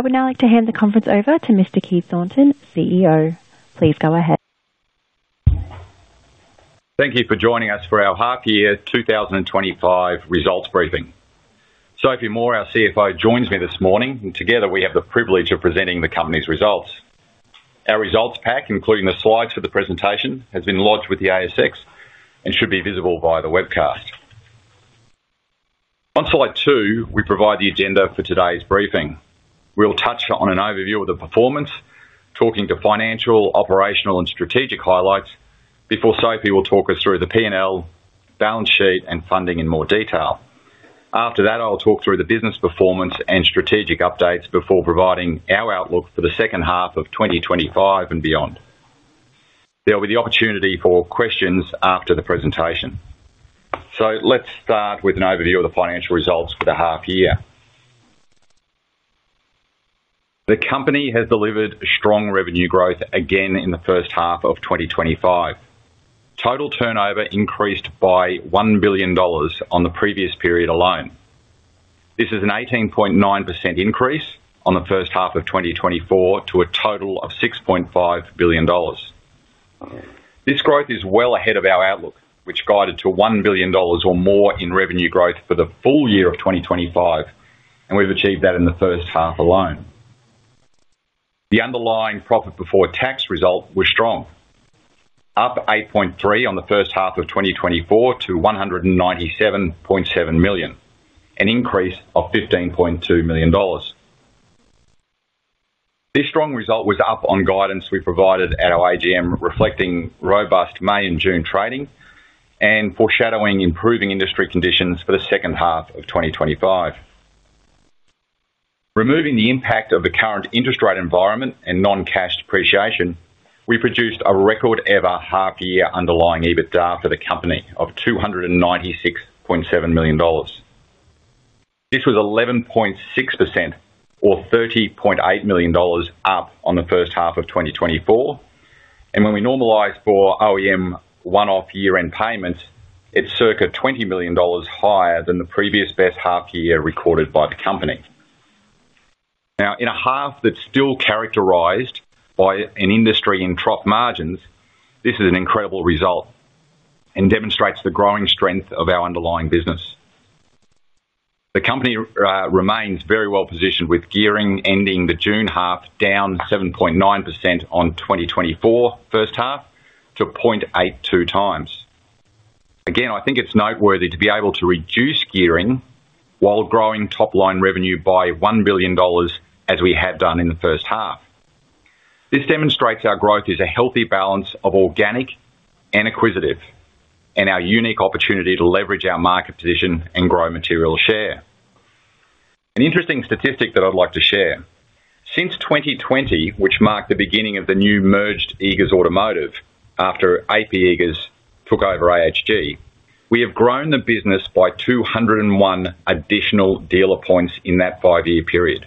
I would now like to hand the conference over to Mr. Keith Thornton, CEO. Please go ahead. Thank you for joining us for our half year 2025 results briefing. Sophie Moore, our CFO, joins me this morning and together we have the privilege of presenting the company's results. Our results pack, including the slides for the presentation, has been lodged with the ASX and should be visible via the webcast. On slide 2, we provide the agenda for today's briefing. We will touch on an overview of the performance, talking to financial, operational, and strategic highlights before Sophie will talk us through the P&L, balance sheet, and funding in more detail. After that, I'll talk through the business performance and strategic updates before providing our outlook for the second half of 2025 and beyond. There will be the opportunity for questions after the presentation. Let's start with an overview of the financial results for the half year. The company has delivered strong revenue growth again in the first half of 2025. Total turnover increased by $1 billion on the previous period alone. This is an 18.9% increase on the first half of 2024 to a total of $6.5 billion. This growth is well ahead of our outlook, which guided to $1 billion or more in revenue growth for the full year of 2025, and we've achieved that in the first half alone. The underlying profit before tax result was strong, up 8.3% on the first half of 2024 to $197.7 million, an increase of $15.2 million. This strong result was up on guidance we provided at our AGM, reflecting robust May and June trading and foreshadowing improving industry conditions for the second half of 2025, removing the impact of the current interest rate environment and non-cash depreciation. We produced a record ever half year underlying EBITDA for the company of $296.7 million. This was 11.6% or $30.8 million up on the first half of 2024, and when we normalized for OEM one-off year end payments, it is circa $20 million higher than the previous best half year recorded by the company. Now, in a half that's still characterized by an industry in trough margins, this is an incredible result and demonstrates the growing strength of our underlying business. The company remains very well positioned with gearing ending the June half down 7.9% on 2024 first half to 0.82 times. I think it's noteworthy to be able to reduce gearing while growing top line revenue by $1 billion as we have done in the first half. This demonstrates our growth is a healthy balance of organic and acquisitive and our unique opportunity to leverage our market position and grow material share. An interesting statistic that I'd like to share. Since 2020, which marked the beginning of the new merged Eagers Automotive after AP Eagers took over AHG, we have grown the business by 201 additional dealer points in that 5 year period.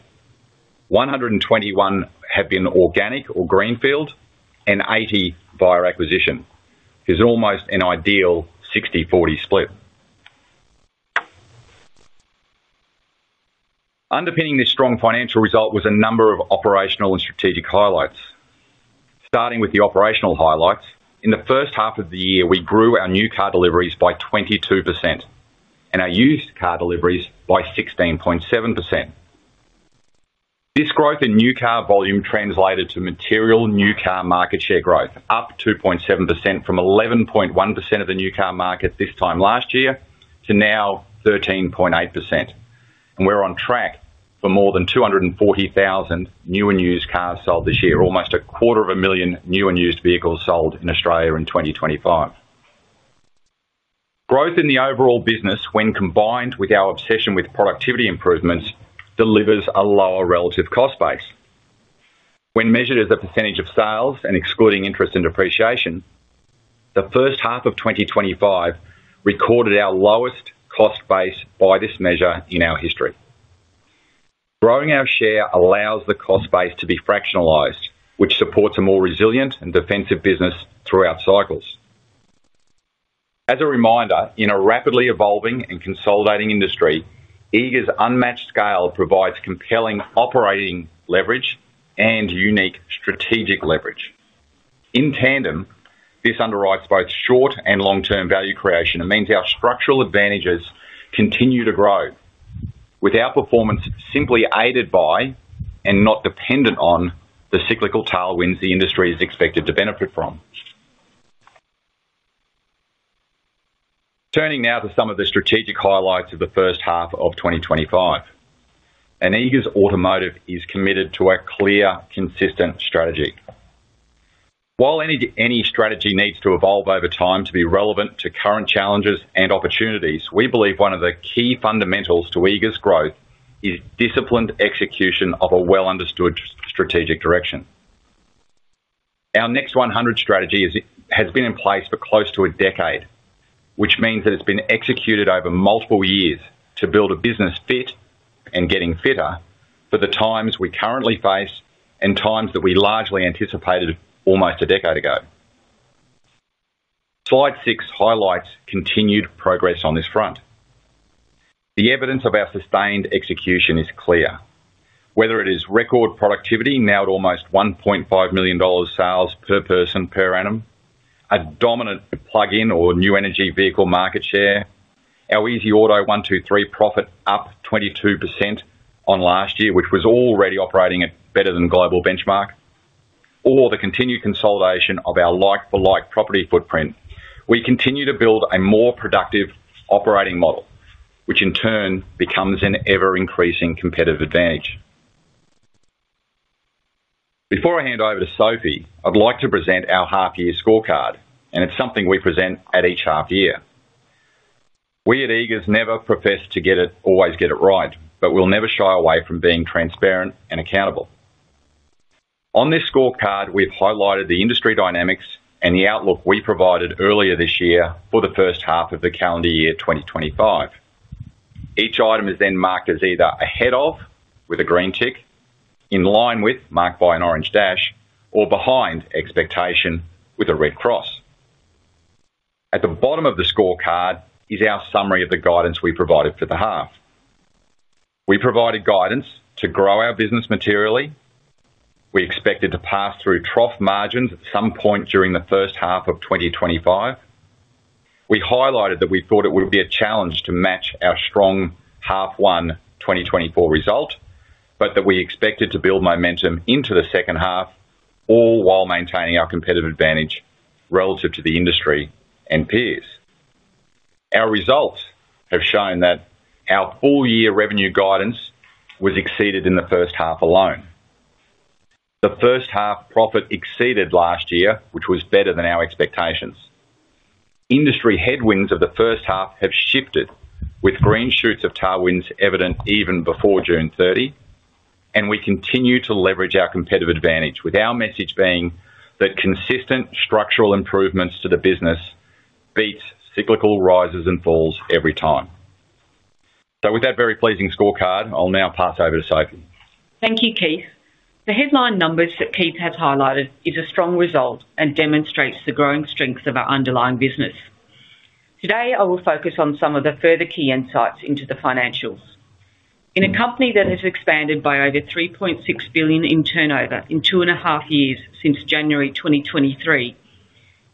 121 have been organic or greenfield and 80 via acquisition, which is almost an ideal 60:40 split. Underpinning this strong financial result was a number of operational and strategic highlights. Starting with the operational highlights, in the first half of the year we grew our new car deliveries by 22% and our used car deliveries by 16.7%. This growth in new car volume translated to material new car market share growth, up 2.7% from 11.1% of the new car market this time last year to now 13.8%. We're on track for more than 240,000 new and used cars sold this year, almost a quarter of a million new and used vehicles sold in Australia in 2025. Growth in the overall business, when combined with our obsession with productivity improvements, delivers a lower relative cost base when measured as a percentage of sales and excluding interest and depreciation. The first half of 2025 recorded our lowest cost base by this measure in our history. Growing our share allows the cost base to be fractionalized, which supports a more resilient and defensive business throughout cycles. As a reminder, in a rapidly evolving and consolidating industry, Eagers Automotive's unmatched scale provides compelling operating leverage and unique strategic leverage in tandem. This underwrites both short and long term value creation and means our structural advantages continue to grow with our performance simply aided by and not dependent on the cyclical tailwinds the industry is expected to benefit from. Turning now to some of the strategic highlights of the first half of 2025, Eagers Automotive is committed to a clear, consistent strategy. While any strategy needs to evolve over time to be relevant to current challenges and opportunities, we believe one of the key fundamentals to Eagers Automotive's growth is disciplined execution of a well understood strategic direction. Our Next 100 strategy has been in place for close to a decade, which means that it's been executed over multiple years to build a business fit and getting fitter for the times we currently face and times that we largely anticipated almost a decade ago. Slide 6 highlights continued progress on this front. The evidence of our sustained execution is clear, whether it is record productivity now at almost $1.5 million sales per person per annum, a dominant plug-in or new energy vehicle market share, our Easy Auto 123 profit up 22% on last year which was already operating at better than global benchmark, or the continued consolidation of our like-for-like property footprint. We continue to build a more productive operating model, which in turn becomes an ever-increasing competitive advantage. Before I hand over to Sophie, I'd like to present our half year scorecard, and it's something we present at each half year. We at Eagers never profess to always get it right, but we'll never shy away from being transparent and accountable. On this scorecard, we've highlighted the industry dynamics and the outlook we provided earlier this year for the first half of the calendar year 2025. Each item is then marked as either ahead of with a green tick, in line with marked by an orange dash, or behind expectation with a red cross. At the bottom of the scorecard is our summary of the guidance we provided for the half. We provided guidance to grow our business materially. We expected to pass through trough margins at some point during the first half of 2025. We highlighted that we thought it would be a challenge to match our strong half one 2024 result, but that we expected to build momentum into the second half, all while maintaining our competitive advantage relative to the industry and peers. Our results have shown that our full year revenue guidance was exceeded in the first half alone. The first half profit exceeded last year, which was better than our expectations. Industry headwinds of the first half have shifted, with green shoots of tailwinds evident even before June 30th, and we continue to leverage our competitive advantage with our message being that consistent structural improvements to the business beats cyclical rises and falls every time. With that very pleasing scorecard, I'll now pass over to Sophie. Thank you, Keith. The headline numbers that Keith has highlighted is a strong result and demonstrates the growing strength of our underlying business. Today I will focus on some of the further key insights into the financials in a company that has expanded by over $3.6 billion in turnover in two and a half years since January 2023.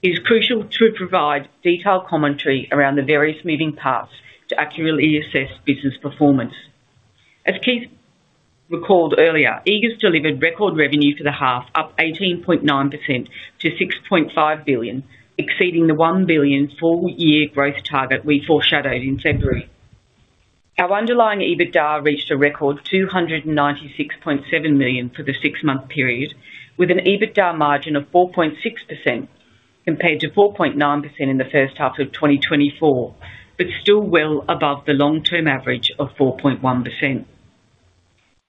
It is crucial to provide detailed commentary around the various moving parts to accurately assess. As Keith recalled earlier, Eagers Automotive delivered record revenue for the half, up 18.9% to $6.5 billion, exceeding the $1 billion full year growth target we foreshadowed in February. Our underlying EBITDA reached a record $296.7 million for the six month period with an EBITDA margin of 4.6% compared to 4.9% in the first half of 2024 but still well above the long term average of 4.1%.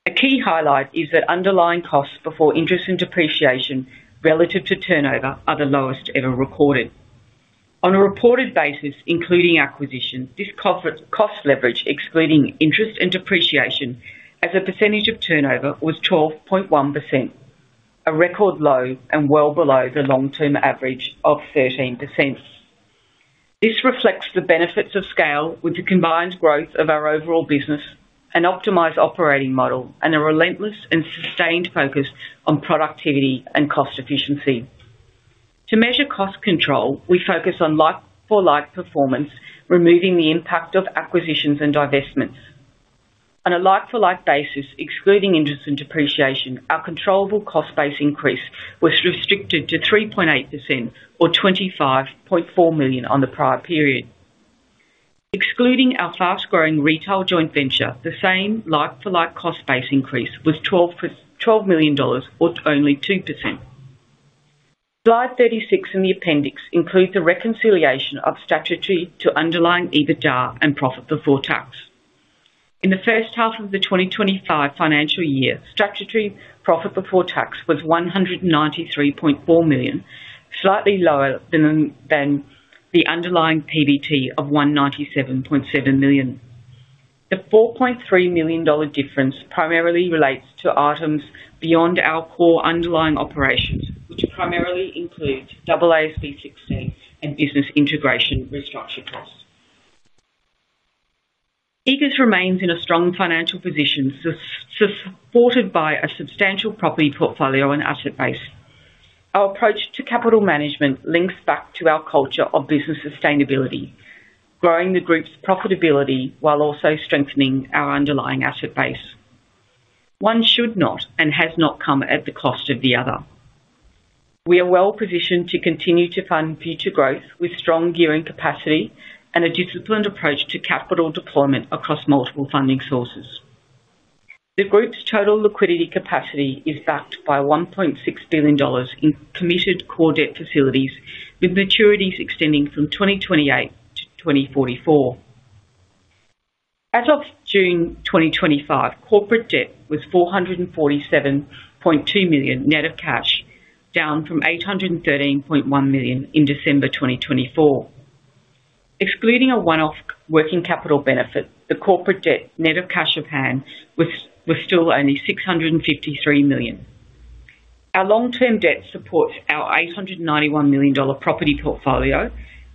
A key highlight is that underlying costs before interest and depreciation relative to turnover are the lowest ever recorded on a reported basis including acquisition. This cost leverage excluding interest and depreciation as a percentage of turnover was 12.1%, a record low and well below the long term average of 13%. This reflects the benefits of scale with the combined growth of our overall business, an optimized operating model and a relentless and sustained focus on productivity and cost efficiency. To measure cost control we focus on like for like performance, removing the impact of acquisitions and divestments on a like for like basis excluding interest and depreciation. Our controllable cost base increase was restricted to 3.8% or $25.4 million on the prior period. Excluding our fast growing retail joint venture, the same like for like cost base increase was $12 million or only 2%. Slide 36 in the appendix includes a reconciliation of statutory to underlying EBITDA and profit before tax. In the first half of the 2025 financial year statutory profit before tax was $193.4 million, slightly lower than the underlying PBT of $197.7 million. The $4.3 million difference primarily relates to items beyond our core underlying operations which primarily includes AASB 16 and business integration restructure cost. Eagers Automotive remains in a strong financial position supported by a substantial property portfolio and asset base. Our approach to capital management links back to our culture of business sustainability, growing the group's profitability while also strengthening our underlying asset base. One should not and has not come at the cost of the other. We are well positioned to continue to fund future growth with strong gearing capacity and a disciplined approach to capital deployment across multiple funding sources. The group's total liquidity capacity is backed by $1.6 billion in committed core debt facilities with maturities extending from 2028-2044. As of June 2025, net corporate debt was $447.2 million net of cash, down from $813.1 million in December 2024. Excluding a one-off working capital benefit, the net corporate debt net of cash on hand was still only $653 million. Our long-term debt supports our $891 million property portfolio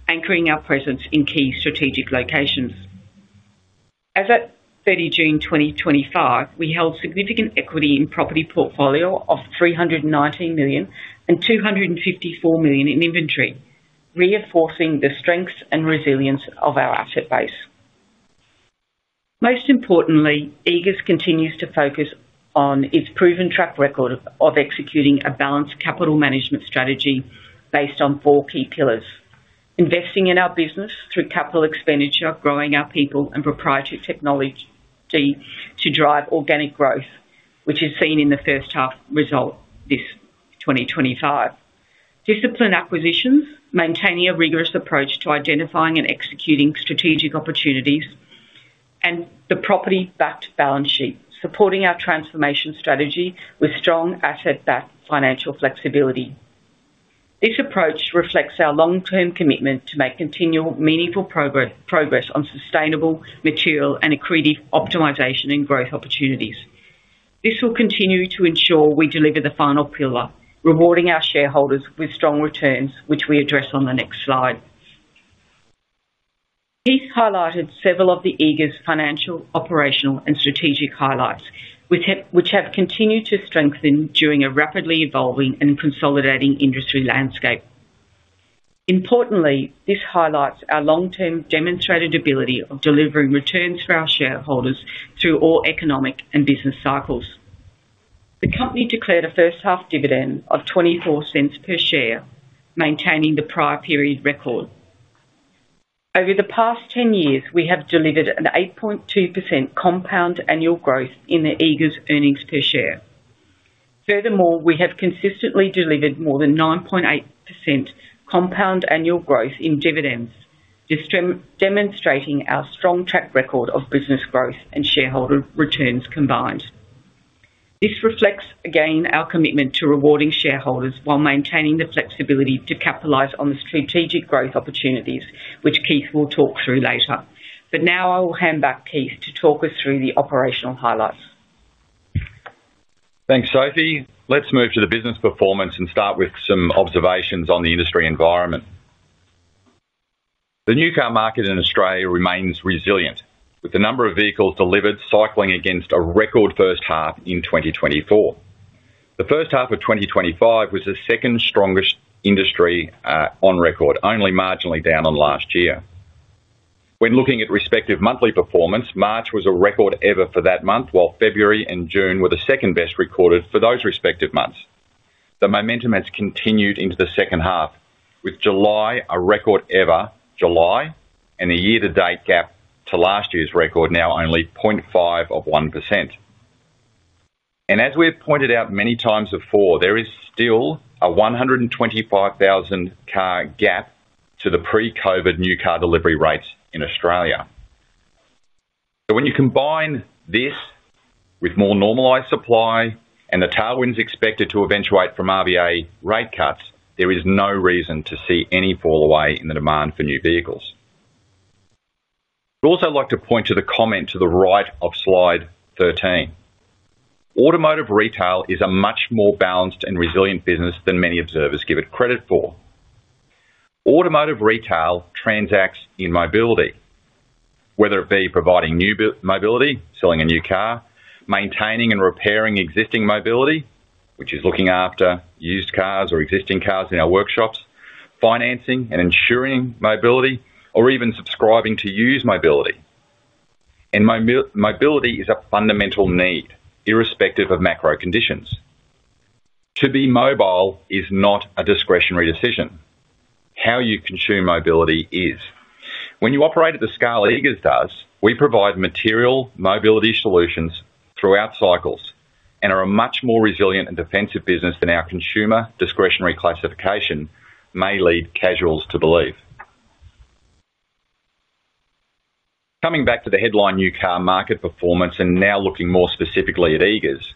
anchoring our presence in key strategic locations. As at June 30, 2025, we held significant equity in the property portfolio of $319 million and $254 million in inventory, reinforcing the strength and resilience of our asset base. Most importantly, Eagers Automotive continues to focus on its proven track record of executing a balanced capital management strategy based on four key pillars: investing in our business through capital expenditure, growing our people and proprietary technology to drive organic growth which is seen in the first half result this 2025, disciplined acquisitions maintaining a rigorous approach to identifying and executing strategic opportunities, and the property-backed balance sheet supporting our transformation strategy with strong asset-backed financial flexibility. This approach reflects our long-term commitment to make continual meaningful progress on sustainable material and accretive optimization and growth opportunities. This will continue to ensure we deliver the final pillar, rewarding our shareholders with strong returns, which we address on the next slide. Keith Thornton highlighted several of Eagers Automotive's financial, operational, and strategic highlights which have continued to strengthen during a rapidly evolving and consolidating industry landscape. Importantly, this highlights our long-term demonstrated ability of delivering returns for our shareholders through all economic and business cycles. The company declared a first half dividend of $0.24 per share, maintaining the prior period record. Over the past 10 years, we have delivered an 8.2% compound annual growth in the Eagers Automotive earnings per share. Furthermore, we have consistently delivered more than 9.8% compound annual growth in dividends, demonstrating our strong track record of business growth and shareholder returns combined. This reflects again our commitment to rewarding shareholders while maintaining the flexibility to capitalize on the strategic growth opportunities which Keith will talk through later. Now I will hand back to Keith to talk us through the operational highlights. Thanks, Sophie. Let's move to the business performance and start with some observations on the industry environment. The new car market in Australia remains resilient with the number of vehicles delivered cycling against a record first half in 2024. The first half of 2025 was the second strongest industry on record, only marginally down on last year when looking at respective monthly performance. March was a record ever for that month, while February and June were the second best recorded for those respective months. The momentum has continued into the second half with July a record ever July, and the year-to-date gap to last year's record now only 0.5%. As we have pointed out many times before, there is still a 125,000 car gap to the pre-COVID new car delivery rates in Australia. When you combine this with more normalized supply and the tailwinds expected to eventuate from RVA rate cuts, there is no reason to see any fall away in the demand for new vehicles. I'd also like to point to the comment to the right of Slide 13. Automotive retail is a much more balanced and resilient business than many observers give it credit for. Automotive retail transacts in mobility, whether it be providing new mobility, selling a new car, maintaining and repairing existing mobility, which is looking after used cars or existing cars in our workshops, financing and insuring mobility, or even subscribing to use mobility, and mobility is a fundamental need irrespective of macro conditions. To be mobile is not a discretionary decision. How you consume mobility is when you operate at the scale Eagers does. We provide material mobility solutions throughout cycles and are a much more resilient and defensive business than our consumer discretionary classification may lead casuals to believe. Coming back to the headline new car market performance and now looking more specifically at Eagers,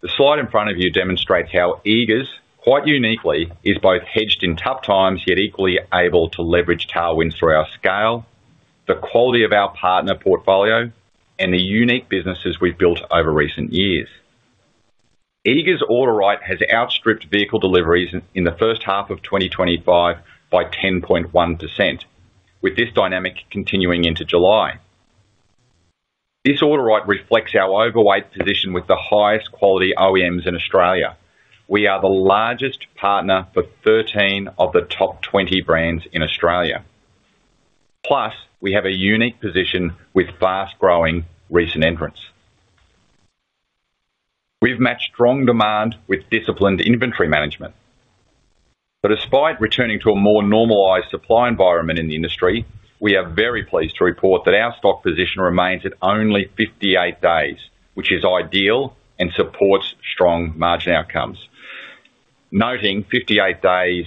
the slide in front of you demonstrates how Eagers quite uniquely is both hedged in tough times yet equally able to leverage tailwinds. Through our scale, the quality of our partner portfolio, and the unique businesses we've built over recent years, Eagers Automotive has outstripped vehicle deliveries in the first half of 2025 by 10.1%, with this dynamic continuing into July. This order right reflects our overweight position with the highest quality OEMs in Australia. We are the largest partner for 13 of the top 20 brands in Australia plus we have a unique position with fast-growing recent entrants. We've matched strong demand with disciplined inventory management, but despite returning to a more normalized supply environment in the industry, we are very pleased to report that our stock position remains at only 58 days, which is ideal and supports strong margin outcomes. Noting 58 days,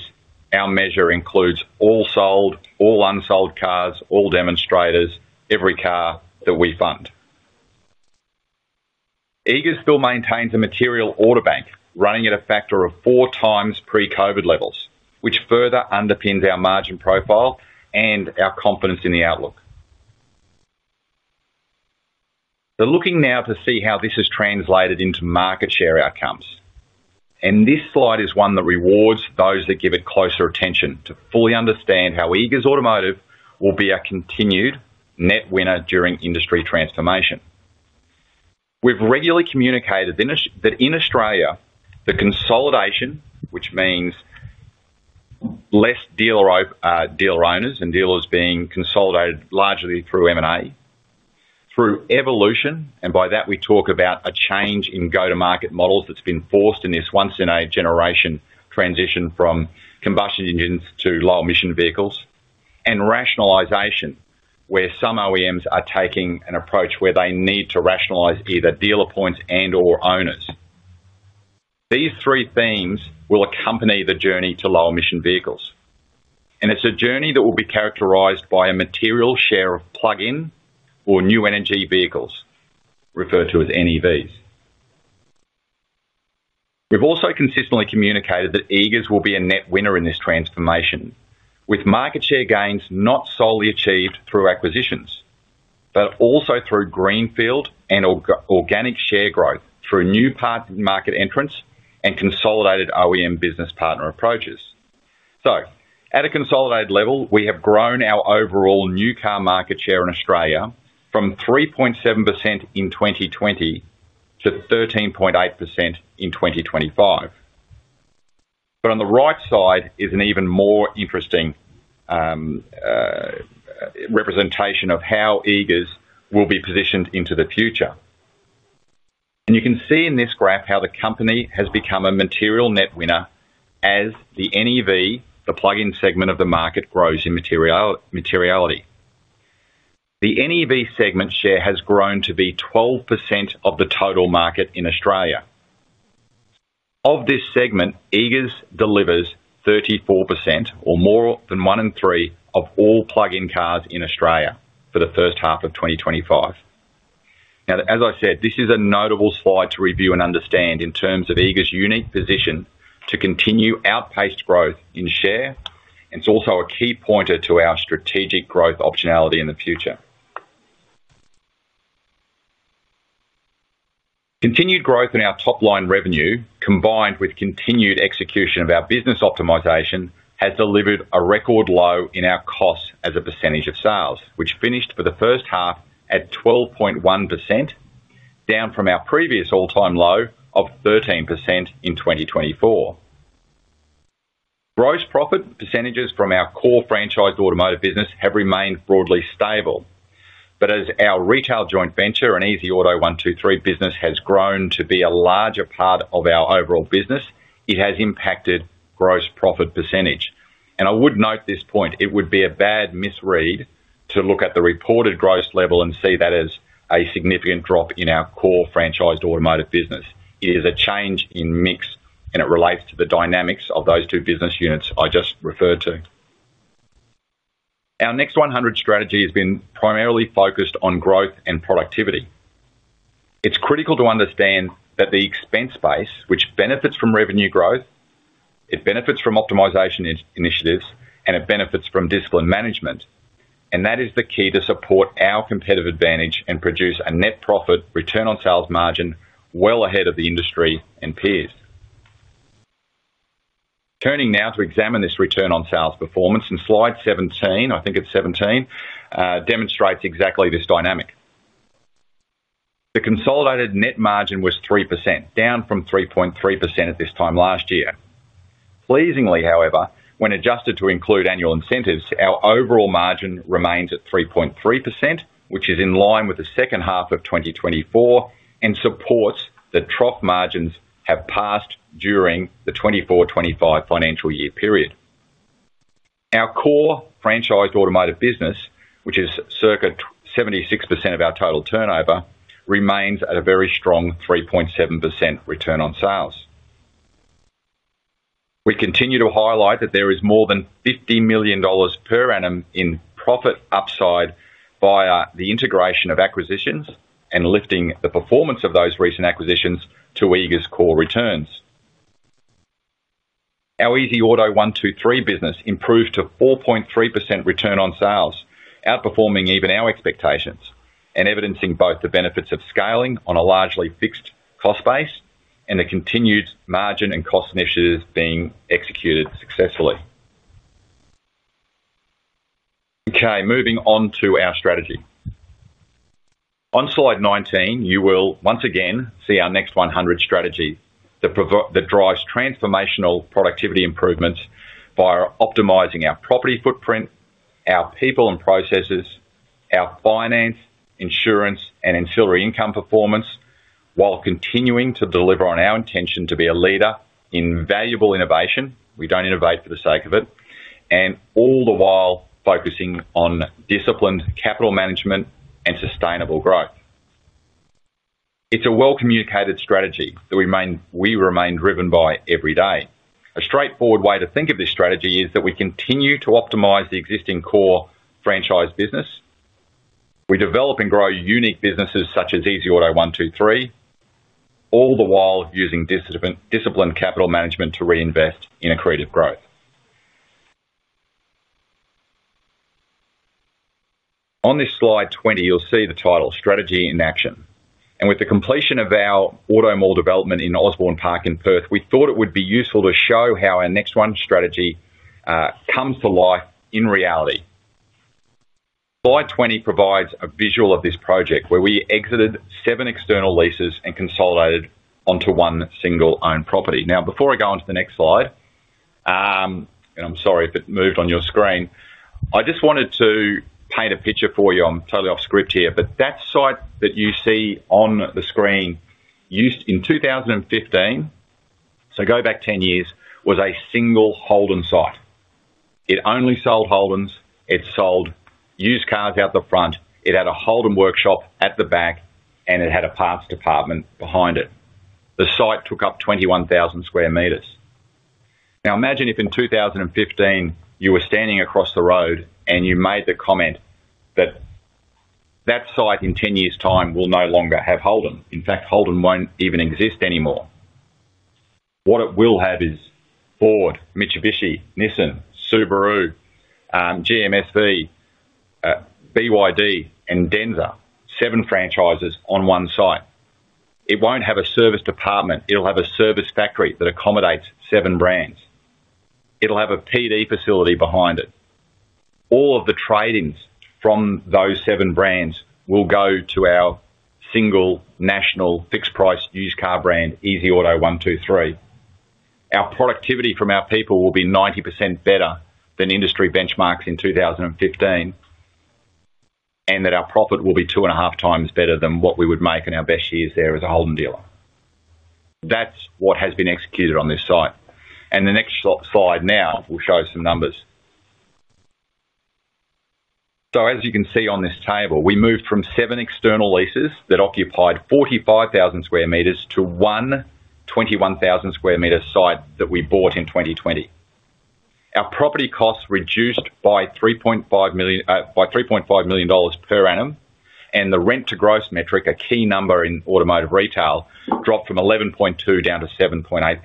our measure includes all sold, all unsold cars, all demonstrators, every car that we fund. Eagers Automotive still maintains a material order bank running at a factor of four times pre-COVID levels, which further underpins our margin profile and our confidence in the outlook. Looking now to see how this has translated into market share outcomes, this slide is one that rewards those that give it closer attention. To fully understand how Eagers Automotive will be our continued net winner during industry transformation, we've regularly communicated that in Australia the consolidation, which means fewer dealer owners and dealers being consolidated largely through M&A, through evolution, and by that we talk about a change in go-to-market models that's been forced in this once-in-a-generation transition from combustion engines to low emission vehicles, and rationalization where some OEMs are taking an approach where they need to rationalize either dealer points and/or owners. These three themes will accompany the journey to low emission vehicles, and it's a journey that will be characterized by a material share of plug-in or new energy vehicles referred to as NEVs. We've also consistently communicated that Eagers Automotive will be a net winner in this transformation with market share gains not solely achieved through acquisitions but also through greenfield and organic share growth through new part market entrants and consolidated OEM business partner approaches. At a consolidated level, we have grown our overall new car market share in Australia from 3.7% in 2020 to 13.8% in 2025. On the right side is an even more interesting representation of how Eagers Automotive will be positioned into the future, and you can see in this graph how the company has become a material net winner as the NEV, the plug-in segment of the market, grows in materiality. The NEV segment share has grown to be 12% of the total market in Australia. Of this segment, Eagers Automotive delivers 34% or more than 1 in 3 of all plug-in cars in Australia for the first half of 2025. Now as I said, this is a notable slide to review and understand in terms of Eagers Automotive's unique position to continue outpaced growth in share, and it's also a key pointer to our strategic growth optionality in the future. Continued growth in our top line revenue combined with continued execution of our business optimization has delivered a record low in our costs as a percentage of sales, which finished for the first half at 12.1%, down from our previous all-time low of 13% in 2024. Gross profit percentages from our core franchise automotive business have remained broadly stable. As our retail joint venture and Easy Auto 123 business has grown to be a larger part of our overall business, it has impacted gross profit percentage, and I would note this point, it would be a bad misread to look at the reported gross level and see that as a significant drop in our core franchise automotive business. It is a change in mix, and it relates to the dynamics of those two business units I just referred to. Our Next 100 strategy has been primarily focused on growth and productivity. It's critical to understand that the expense base, which benefits from revenue growth, benefits from optimization initiatives, and benefits from disciplined management, is the key to support our competitive advantage and produce a net profit return on sales margin well ahead of the industry and peers. Turning now to examine this return on sales performance and slide 17, I think it's 17, demonstrates exactly this dynamic. The consolidated net margin was 3%, down from 3.3% at this time last year. Pleasingly, however, when adjusted to include annual incentives, our overall margin remains at 3.3%, which is in line with the second half of 2024 and supports that trough margins have passed during the 2024-2025 financial year period. Our core franchise automotive business, which is circa 76% of our total turnover, remains at a very strong 3.7% return on sales. We continue to highlight that there is more than $50 million per annum in profit upside via the integration of acquisitions and lifting the performance of those recent acquisitions to Eagers Automotive's core returns. Our Easy Auto 123 business improved to 4.3% return on sales, outperforming even our expectations and evidencing both the benefits of scaling on a largely fixed cost base and the continued margin and cost initiatives being executed successfully. Okay, moving on to our strategy. On slide 19 you will once again see our Next 100 strategy that drives transformational productivity improvements by optimizing our property footprint, our people and processes, our finance, insurance and ancillary income performance while continuing to deliver on our intention to be a leader in valuable innovation. We don't innovate for the sake of it, and all the while focusing on disciplined capital management and sustainable growth. It's a well-communicated strategy that we remain driven by every day. A straightforward way to think of this strategy is that we continue to optimize the existing core franchise business. We develop and grow unique businesses such as Easy Auto 123, all the while using disciplined capital management to reinvest in accretive growth. On this slide 20 you'll see the title strategy in action, and with the completion of our auto mall development in Osborne Park in Perth, we thought it would be useful to show how our Next 100 strategy comes to life in reality. Slide 20 provides a visual of this project where we exited seven external leases and consolidated onto one single owned property. Now, before I go on to the next slide, I just wanted to paint a picture for you. I'm totally off script here, but that site that you see on the screen used in 2015, so go back 10 years, was a single Holden site. It only sold Holdens, it sold used cars out the front, it had a Holden workshop at the back, and it had a parts department behind it. The site took up 21,000 square meters. Now imagine if in 2015 you were standing across the road and you made the comment that that site in 10 years' time will no longer have Holden. In fact, Holden won't even exist anymore. What it will have is Ford, Mitsubishi, Nissan, Subaru, GMSV, BYD, and Denza. Seven franchises on one site. It won't have a service department. It'll have a service factory that accommodates seven brands. It'll have a PD facility behind it. All of the trade-ins from those seven brands will go to our single national fixed price used car brand Easy Auto 123. Our productivity from our people will be 90% better than industry benchmarks in 2015, and our profit will be two and a half times better than what we would make in our best years there as a Holden dealer. That's what has been executed on this site. The next slide now will show some numbers. As you can see on this table, we moved from seven external leases that occupied 45,000 square meters to one 21,000 square meter site that we bought in 2020. Our property costs reduced by $3.5 million per annum and the rent to gross metric, a key number in automotive retail, dropped from 11.2% down to 7.8%.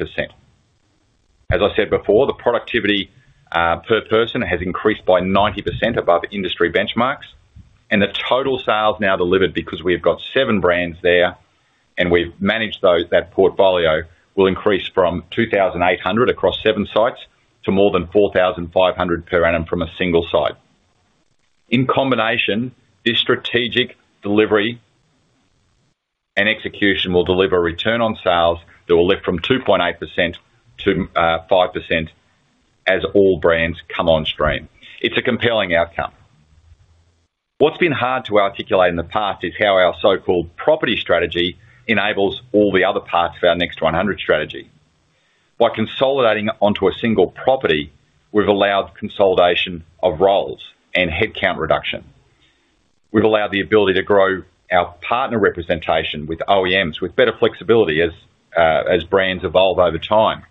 As I said before, the productivity per person has increased by 90% above industry benchmarks. The total sales now delivered, because we've got seven brands there and we've managed that portfolio, will increase from 2,800 across seven sites to more than 4,500 per annum from a single site. In combination, this strategic delivery and execution will deliver return on sales that will lift from 2.8%-5% as all brands come on stream. It's a compelling outcome. What's been hard to articulate in the past is how our so-called property strategy enables all the other parts of our Next 100 strategy. By consolidating onto a single property, we've allowed consolidation of roles and headcount reduction. We've allowed the ability to grow our partner representation with OEMs with better flexibility. As brands evolve over time,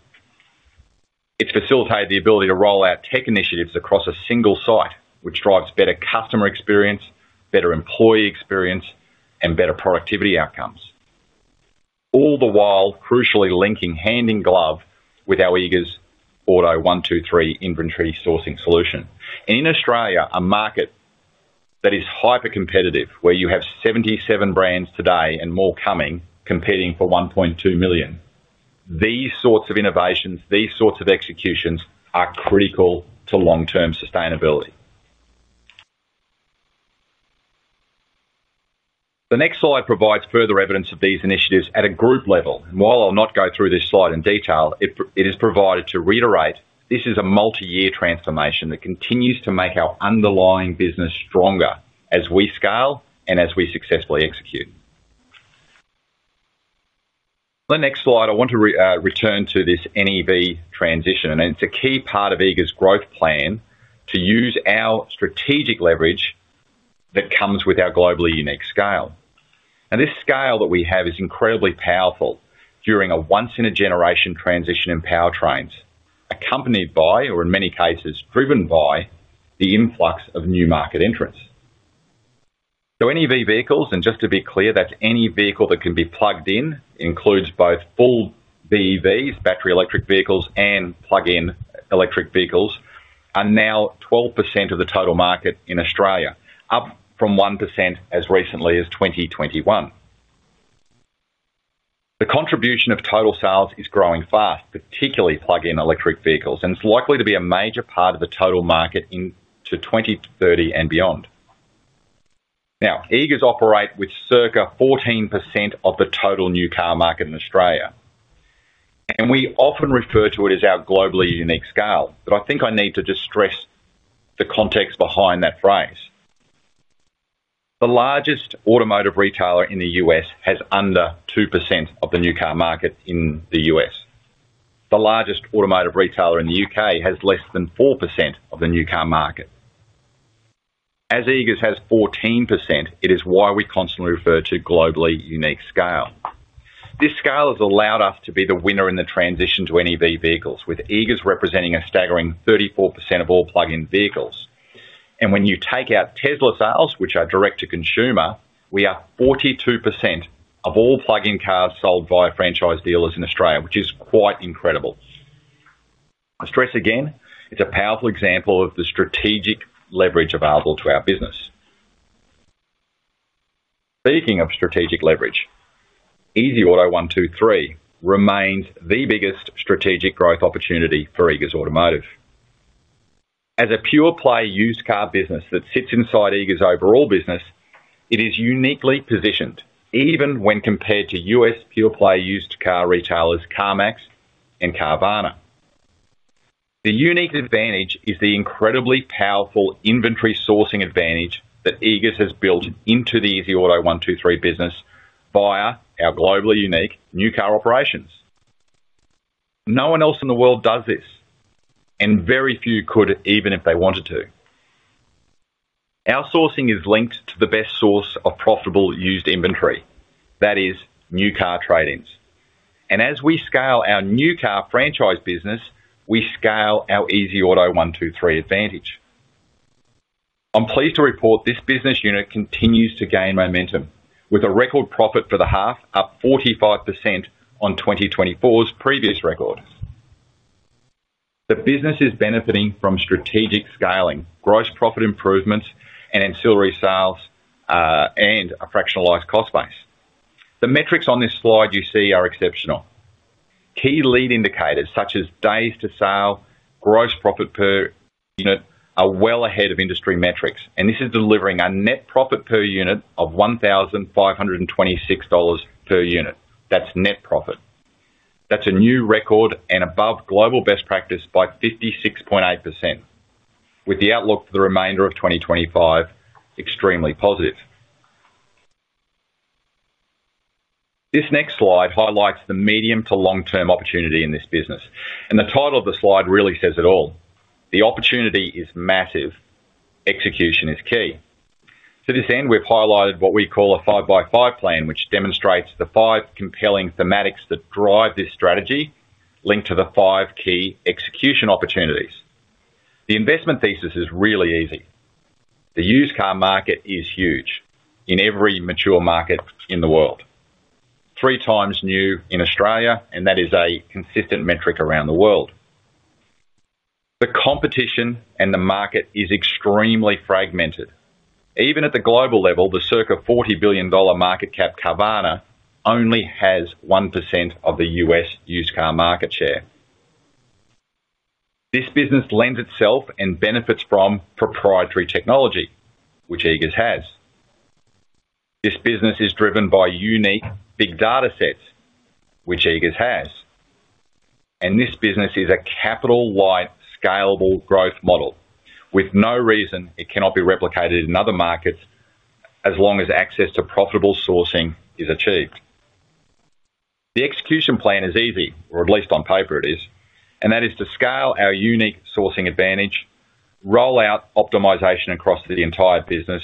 it's facilitated the ability to roll out tech initiatives across a single site, which drives better customer experience, better employee experience, and better productivity outcomes. All the while, crucially linking hand in glove with our Easy Auto 123 inventory sourcing solution and in Australia, a market that is hyper competitive where you have 77 brands today and more coming, competing for 1.2 million. These sorts of innovations, these sorts of executions are critical to long term sustainability. The next slide provides further evidence of these initiatives at a group level. While I'll not go through this slide in detail, it is provided to reiterate this is a multi-year transformation that continues to make our underlying business stronger as we scale and as we successfully execute. The next slide, I want to return to this plug-in (NEV) transition and it's a key part of Eagers Automotive's growth plan to use our strategic leverage that comes with our globally unique scale. This scale that we have is incredibly powerful during a once in a generation transition in powertrains, accompanied by or in many cases driven by the influx of new market entrants. Any of vehicles, and just to be clear, that's any vehicle that can be plugged in, includes both full BEVs, battery electric vehicles, and plug-in electric vehicles, are now 12% of the total market in Australia, up from 1% as recently as 2021. The contribution of total sales is growing fast, particularly plug-in electric vehicles, and it's likely to be a major part of the total market into 2030 and beyond. Now Eagers operate with circa 14% of the total new car market in Australia, and we often refer to it as our globally unique scale. I think I need to stress the context behind that phrase. The largest automotive retailer in the U.S. has under 2% of the new car market in the U.S. The largest automotive retailer in the U.K. has less than 4% of the new car market, as Eagers has 14%. It is why we constantly refer to globally unique scale. This scale has allowed us to be the winner in the transition to NEV vehicles, with Eagers representing a staggering 34% of all plug-in vehicles. When you take out Tesla sales, which are direct to consumer, we are 42% of all plug-in cars sold by franchise dealers in Australia, which is quite incredible. I stress again, it's a powerful example of the strategic leverage available to our business. Speaking of strategic leverage, Easy Auto 123 remains the biggest strategic growth opportunity for Eagers Automotive as a pure play used car business that sits inside Eagers' overall business. It is uniquely positioned even when compared to U.S. pure play used car retailers CarMax and Carvana. The unique advantage is the incredibly powerful inventory sourcing advantage that Eagers has built into the Easy Auto 123 business via our globally unique new car operations. No one else in the world does this, and very few could even if they wanted to. Our sourcing is linked to the best source of profitable used inventory, that is new car trade-ins. As we scale our new car franchise business, we scale our Easy Auto 123 advantage. I'm pleased to report this business unit continues to gain momentum with a record profit for the half, up 45% on 2024's previous record. The business is benefiting from strategic scaling, gross profit improvements, and ancillary sales, and a fractionalized cost base. The metrics on this slide you see are exceptional. Key lead indicators such as days to sale and gross profit per unit are well ahead of industry metrics, and this is delivering a net profit per unit of $1,526 per unit. That's net profit. That's a new record and above global best practice by 56.8%. With the outlook for the remainder of 2025 extremely positive, this next slide highlights the medium to long term opportunity in this business and the title of the slide really says it all. The opportunity is massive. Execution is key. To this end, we've highlighted what we call a five by five plan, which demonstrates the five compelling thematics that drive this strategy linked to the five key execution opportunities. The investment thesis is really easy. The used car market is huge in every mature market in the world, three times new in Australia, and that is a consistent metric around the world. The competition and the market is extremely fragmented even at the global level. The circa $40 billion market cap Carvana only has 1% of the U.S. used car market share. This business lends itself and benefits from proprietary technology, which Eagers Automotive has. This business is driven by unique big data sets, which Eagers Automotive has, and this business is a capital light scalable growth model with no reason it cannot be replicated in other markets as long as access to profitable sourcing is achieved. The execution plan is easy, or at least on paper it is, and that is to scale our unique sourcing advantage, roll out optimization across the entire business,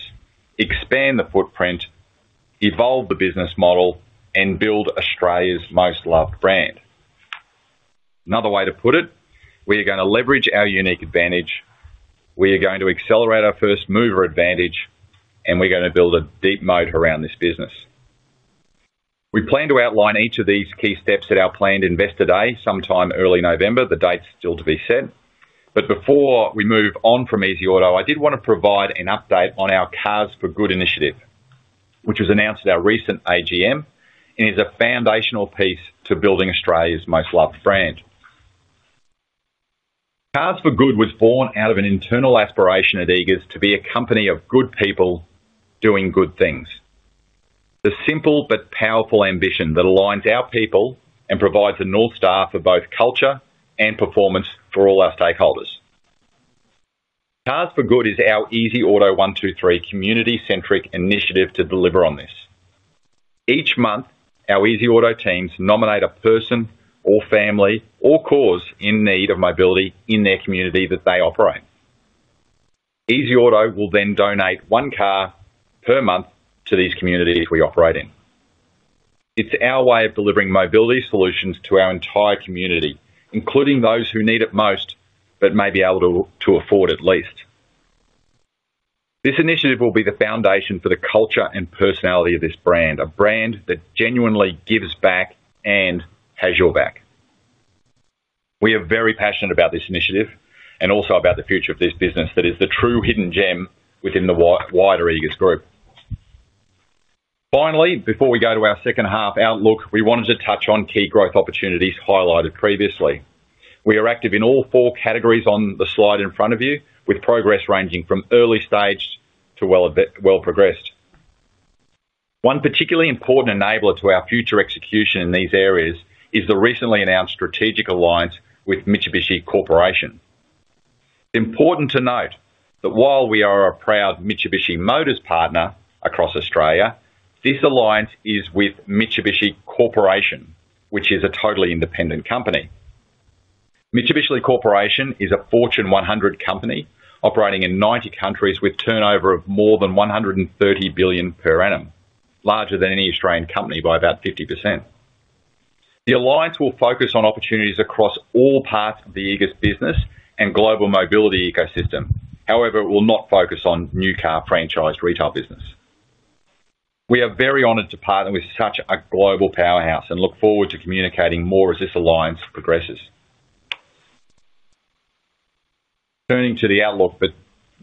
expand the footprint, evolve the business model, and build Australia's most loved brand. Another way to put it, we are going to leverage our unique advantage, we are going to accelerate our first mover advantage, and we're going to build a deep moat around this business. We plan to outline each of these key steps at our planned investor day sometime early November. The date's still to be set, but before we move on from Easy Auto 123, I did want to provide an update on our Cars for Good initiative, which was announced at our recent AGM and is a foundational piece to building Australia's most loved brand. Cars. 4Good was born out of an internal aspiration at Eagers Automotive to be a company of good people doing good things. The simple but powerful ambition that aligns our people and provides the North Star for both culture and performance for all our stakeholders. Cars4Good is our Easy Auto 123 community-centric initiative to deliver on this. Each month our Easy Auto 123 teams nominate a person or family or cause in need of mobility in their community that they operate. Easy Auto 123 will then donate one car per month to these communities we operate in. It's our way of delivering mobility solutions to our entire community, including those who need it most but may be able to afford at least. This initiative will be the foundation for the culture and personality of this brand. A brand that genuinely gives back and has your back. We are very passionate about this initiative and also about the future of this business that is the true hidden gem within the wider Eagers Automotive Group. Finally, before we go to our second half outlook, we wanted to touch on key growth opportunities highlighted previously. We are active in all four categories on the slide in front of you, with progress ranging from early stage to well progressed. One particularly important enabler to our future execution in these areas is the recently announced strategic alliance with Mitsubishi Corporation. It's important to note that while we are a proud Mitsubishi Motors partner across Australia, this alliance is with Mitsubishi Corporation, which is a totally independent company. Mitsubishi Corporation is a Fortune 100 company operating in 90 countries with turnover of more than $130 billion per annum, larger than any Australian company by about 50%. The alliance will focus on opportunities across all parts of the Eagers Automotive business and global mobility ecosystem. However, it will not focus on new car franchise retail business. We are very honored to partner with such a global powerhouse and look forward to communicating more as this alliance progresses. Turning to the outlook,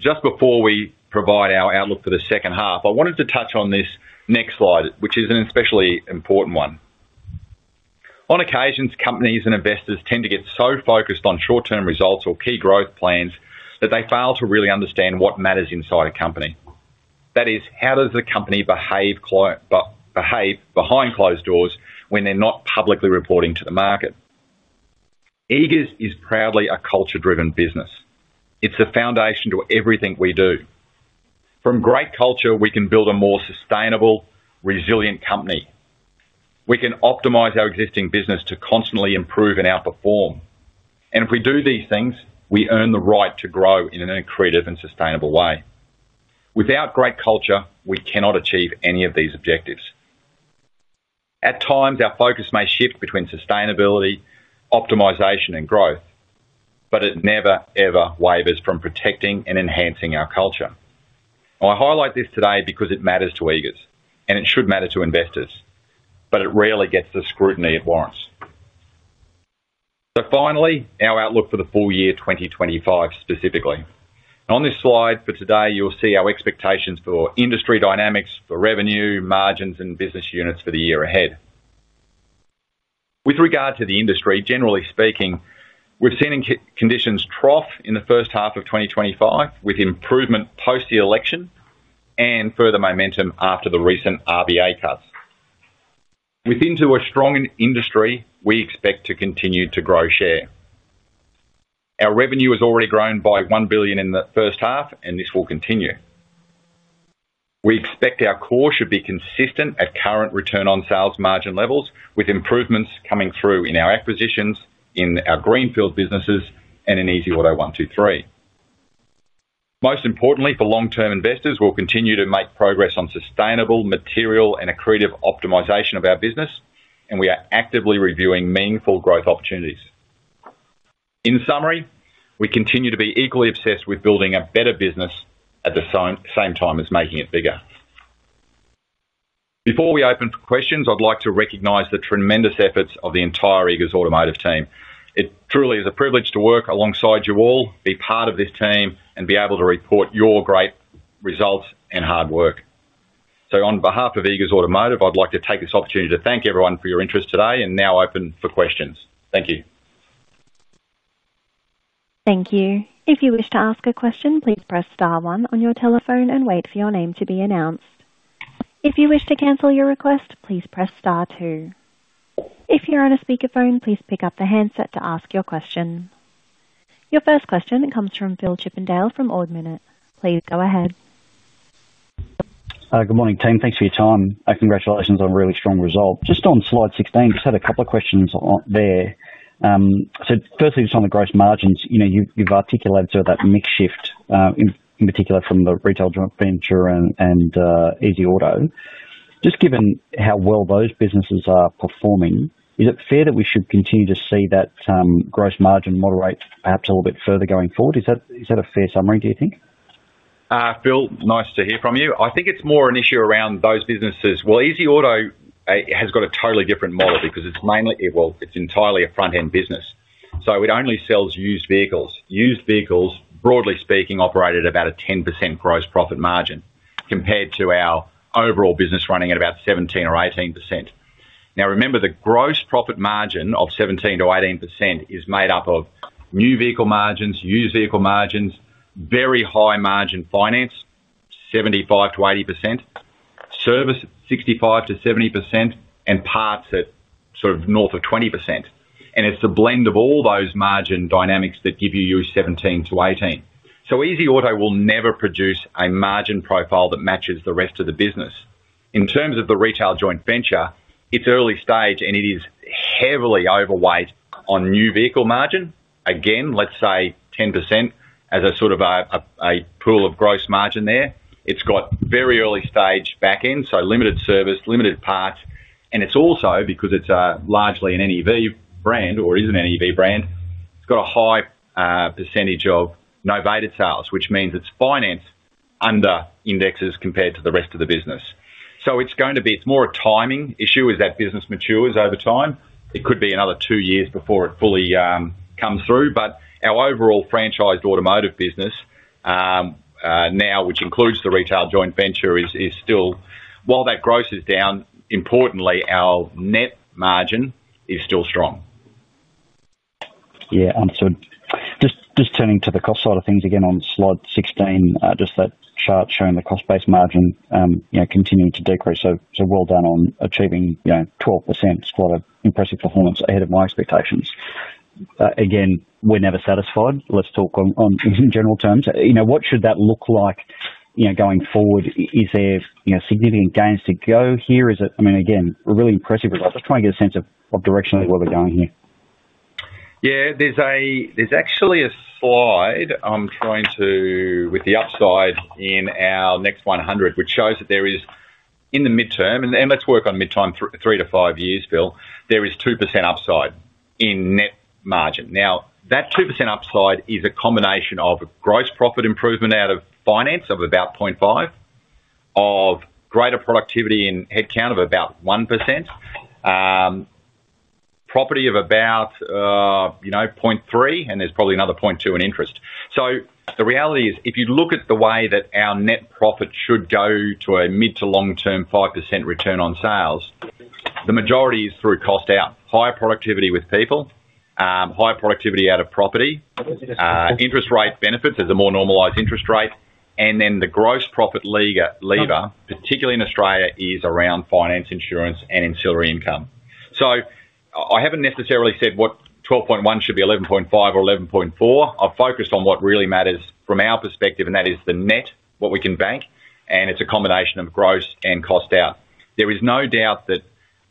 just before we provide our outlook for the second half, I wanted to touch on this next slide which is an especially important one. On occasions, companies and investors tend to get so focused on short-term results or key growth plans that they fail to really understand what matters inside a company. That is, how does the company behave, client behave behind closed doors when they're not publicly reporting to the market. Eagers Automotive is proudly a culture-driven business. It's a foundation to everything we do. From great culture, we can build a more sustainable, resilient company. We can optimize our existing business to constantly improve and outperform, and if we do these things, we earn the right to grow in an accretive and sustainable way. Without great culture, we cannot achieve any of these objectives. At times, our focus may shift between sustainability, optimization, and growth, but it never ever wavers from protecting and enhancing our culture. I highlight this today because it matters to Eagers Automotive and it should matter to investors, but it rarely gets the scrutiny it warrants. Finally, our outlook for the full year 2025. Specifically, on this slide for today, you'll see our expectations for industry dynamics, for revenue, margins, and business units for the year ahead. With regard to the industry, generally speaking, we've seen conditions trough in the first half of 2025 with improvement post the election and further momentum after the recent RBA cuts. Within a strong industry, we expect to continue to grow share. Our revenue has already grown by $1 billion in the first half, and this will continue. We expect our core should be consistent at current return on sales margin levels, with improvements coming through in our acquisitions, in our greenfield businesses, and in Easy Auto 123. Most importantly for long-term investors, we'll continue to make progress on sustainable, material, and accretive optimization of our business, and we are actively reviewing meaningful growth opportunities. In summary, we continue to be equally obsessed with building a better business at the same time as making it bigger. Before we open for questions, I'd like to recognize the tremendous efforts of the entire Eagers Automotive team. It truly is a privilege to work alongside you all, be part of this team, and be able to report your great results and hard work. On behalf of Eagers Automotive, I'd like to take this opportunity to thank everyone for your interest today and now open for questions. Thank you. Thank you. If you wish to ask a question, please press Star one on your telephone and wait for your name to be announced. If you wish to cancel your request, please press Star two. If you're on a speakerphone, please pick up the handset to ask your question. Your first question comes from Phil Chippendale from Ord Minnett. Please go ahead. Good morning team. Thanks for your time. Congratulations on really strong result. Just on slide 16, just had a couple of questions there. Firstly, just on the gross margins, you know you've articulated sort of that mix shift in particular from the retail Joint Venture and Easy Auto 123. Just given how well those businesses are performing, is it fair that we should continue to see that gross margin moderate perhaps a little bit further going forward? Is that a fair summary do you think? Phil, nice to hear from you. I think it's more an issue around those businesses. Easy Auto 123 has got a totally different model because it's mainly, it's entirely a front end business so it only sells used vehicles. Used vehicles, broadly speaking, operate at about a 10% gross profit margin compared to our overall business running at about 17 or 18%. Now remember the gross profit margin of 17-18% is made up of new vehicle margins, used vehicle margins, very high margin finance 75-80%, service 65-70%, and parts at sort of north of 20%. It's the blend of all those margin dynamics that give you 17-18. Easy Auto 123 will never produce a margin profile that matches the rest of the business. In terms of the retail joint venture, it's early stage and it is heavily overweight on new vehicle margin. Again, let's say 10% as a sort of a pool of gross margin there. It's got very early stage back end, so limited service, limited parts. It's also because it's largely a plug-in (NEV) segment brand or is a plug-in (NEV) segment brand, it's got a high percentage of novated sales which means its finance under indexes compared to the rest of the business. It's going to be, it's more a timing issue. As that business matures over time, it could be another two years before it fully comes through. Our overall franchised automotive business now, which includes the retail joint venture, is still, while that growth is down, importantly our net margin is still strong. Yeah. Turning to the cost side of things again on slide 16, that chart showing the cost base margin continuing to decrease. Well done on achieving 12% slot. Impressive performance ahead of my expectations. We're never satisfied. Let's talk in general terms, you know, what should that look like going forward? Is there significant gains to go here? I mean, again, really impressive results. Let's try and get a sense of what direction we're going here. Yeah, there's actually a slide I'm trying to with the upside in our Next 100 which shows that there is in the midterm, and let's work on midterm three to five years, Bill, there is 2% upside in net margin. Now that 2% upside is a combination of gross profit improvement out of finance of about 0.5%, of greater productivity in headcount of about 1%, property of about 0.3%, and there's probably another 0.2% in interest. The reality is if you look at the way that our net profit should go to a mid to long term 5% return on sales, the majority is through cost out. Higher productivity with people, high productivity out of property, interest rate benefits is a more normalized interest rate, and then the gross profit lever, particularly in Australia, is around finance, insurance, and ancillary income. I haven't necessarily said what 12.1 should be, 11.5 or 11.4. I've focused on what really matters from our perspective and that is the net, what we can bank. It's a combination of gross and cost out. There is no doubt that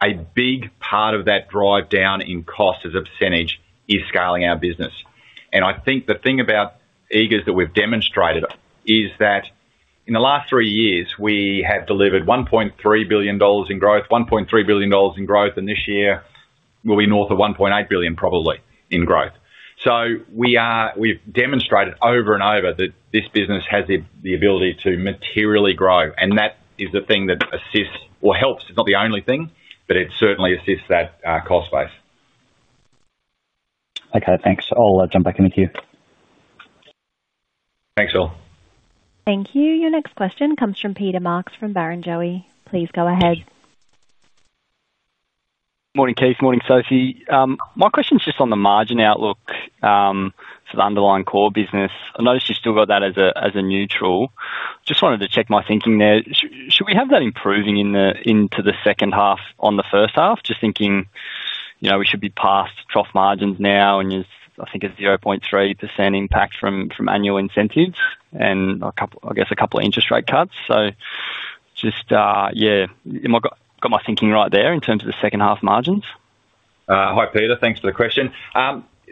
a big part of that drive down in cost as a percentage is scaling our business. I think the thing about Eagers Automotive that we've demonstrated is that in the last three years we have delivered $1.3 billion in growth, $1.3 billion in growth, and this year will be north of $1.8 billion, probably in growth. We have demonstrated over and over that this business has the ability to materially grow and that is the thing that assists or helps. It's not the only thing, but it certainly assists that cost base. Okay, thanks. I'll jump back in with you. Thanks all. Thank you. Your next question comes from Peter Marks from Barrenjoey, please go ahead. Morning, Keith. Morning, Sophie. My question's just on the margin outlook for the underlying core business. I notice you still got that as a neutral. Just wanted to check my thinking there. Should we have that improving into the second half on the first half? Just thinking we should be past trough margins now and I think it's 0.3% impact from annual incentives and I guess. A couple of interest rate cuts. Yeah, got my thinking right there in terms of the second half margins. Hi, Peter, thanks for the question.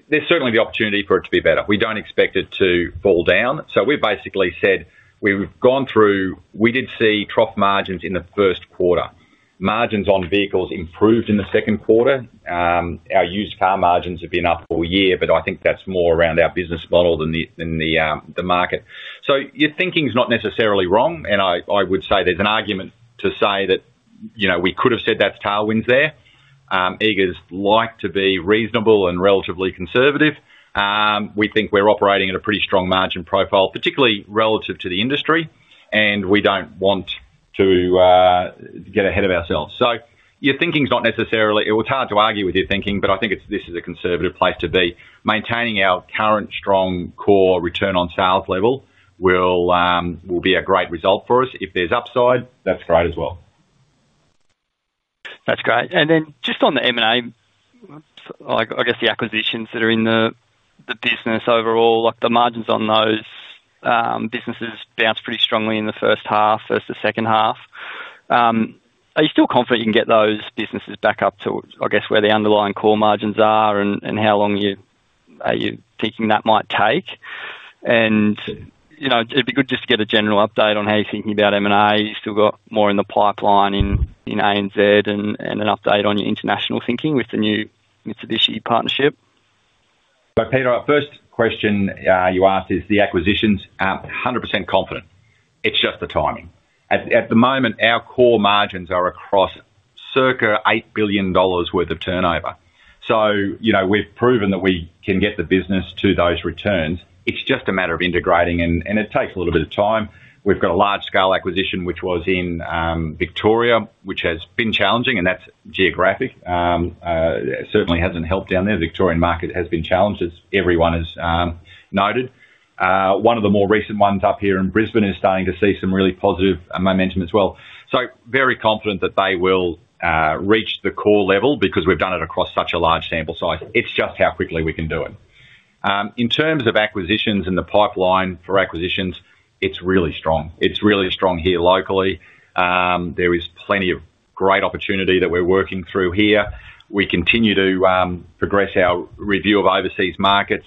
There's certainly the opportunity for it to be better. We don't expect it to fall down. We've basically said we've gone through. We did see trough margins in the first quarter. Margins on vehicles improved in the second quarter. Our used car margins have been up all year. I think that's more around our business model than the market. Your thinking's not necessarily wrong. I would say there's an argument to say that, you know, we could have said that's tailwinds there. Eagers Automotive like to be reasonable and relatively conservative. We think we're operating at a pretty strong margin profile, particularly relative to the industry, and we don't want to get ahead of ourselves. Your thinking's not necessarily. It was hard to argue with your thinking, but I think this is a conservative place to be. Maintaining our current strong core return on sales level will be a great result for us. If there's upside, that's great as well. That's great. On the M&A, I guess the acquisitions that are in the business overall, the margins on those businesses bounce pretty strongly in the first half versus the second half. Are you still confident you can get? Those businesses back up to, I guess, where the underlying core margins are and how long you are you thinking that might take? It'd be good just. To get a general update on how you're thinking about M&A. You still got more in the pipeline. In Australia and an update on your international thinking with the new Mitsubishi Corporation partnership. Peter, our first question you asked. Is the acquisitions 100% confident? It's just the timing. At the moment, our core margins are across circa $8 billion worth of turnover. We've proven that we can get the business to those returns. It's just a matter of integrating and it takes a little bit of time. We've got a large scale acquisition which was in Victoria, which has been challenging and that's geographic, certainly hasn't helped down there. Victorian market has been challenged, as everyone has noted. One of the more recent ones up here in Brisbane is starting to see some really positive momentum as well. Very confident that they will reach the core level because we've done it across such a large sample size. It's just how quickly we can do it in terms of acquisitions and the pipeline for acquisitions. It's really strong. It's really strong here. Locally, there is plenty of great opportunity that we're working through here. We continue to progress our review of overseas markets.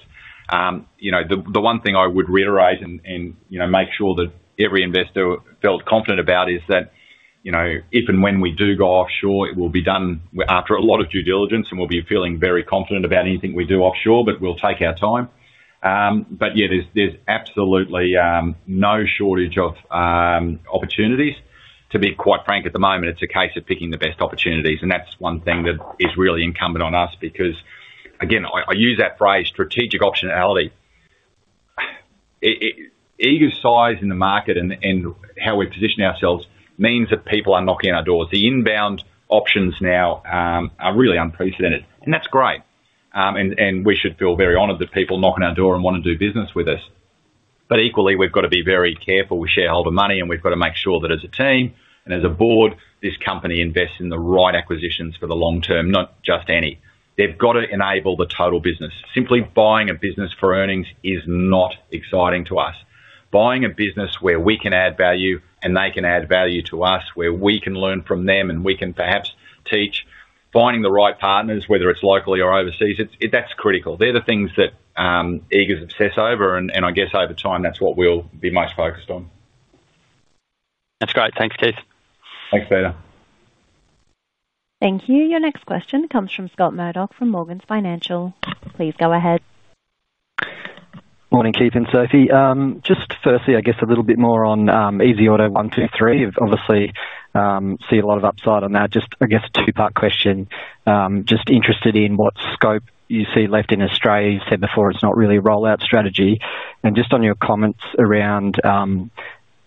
The one thing I would reiterate and make sure that every investor felt confident about is that if and when we do go offshore, it will be done after a lot of due diligence and we'll be feeling very confident about anything we do offshore. We'll take our time. There's absolutely no shortage of opportunities, to be quite frank at the moment. It's a case of picking the best opportunities. That is really incumbent on us because again, I use that phrase, strategic optionality, Eagers size in the market and how we position ourselves means that people are knocking our doors. The inbound options now are really unprecedented and that's great. We should feel very honored that people knock on our door and want to do business with us. Equally, we've got to be very careful with shareholder money and we've got to make sure that as a team and as a board, this company invests in the right acquisitions for the long term, not just any. They've got to enable the total business. Simply buying a business for earnings is not exciting to us. Buying a business where we can add value and they can add value to us, where we can learn from them and we can perhaps teach finding the right partners, whether it's locally or overseas, that's critical. They're the things that Eagers obsess over and I guess over time that's what we'll be most focused on. That's great. Thanks, Keith. Thanks, Peter. Thank you. Your next question comes from Scott Murdoch from Morgans Financial. Please go ahead. Morning Keith and Sophie. Just firstly, I guess a little bit more on Easy Auto 123. Obviously see a lot of upside on that. Just, I guess, two-part question. Just interested in what scope you see left in Australia. You said before it's not really a rollout strategy, and just on your comments around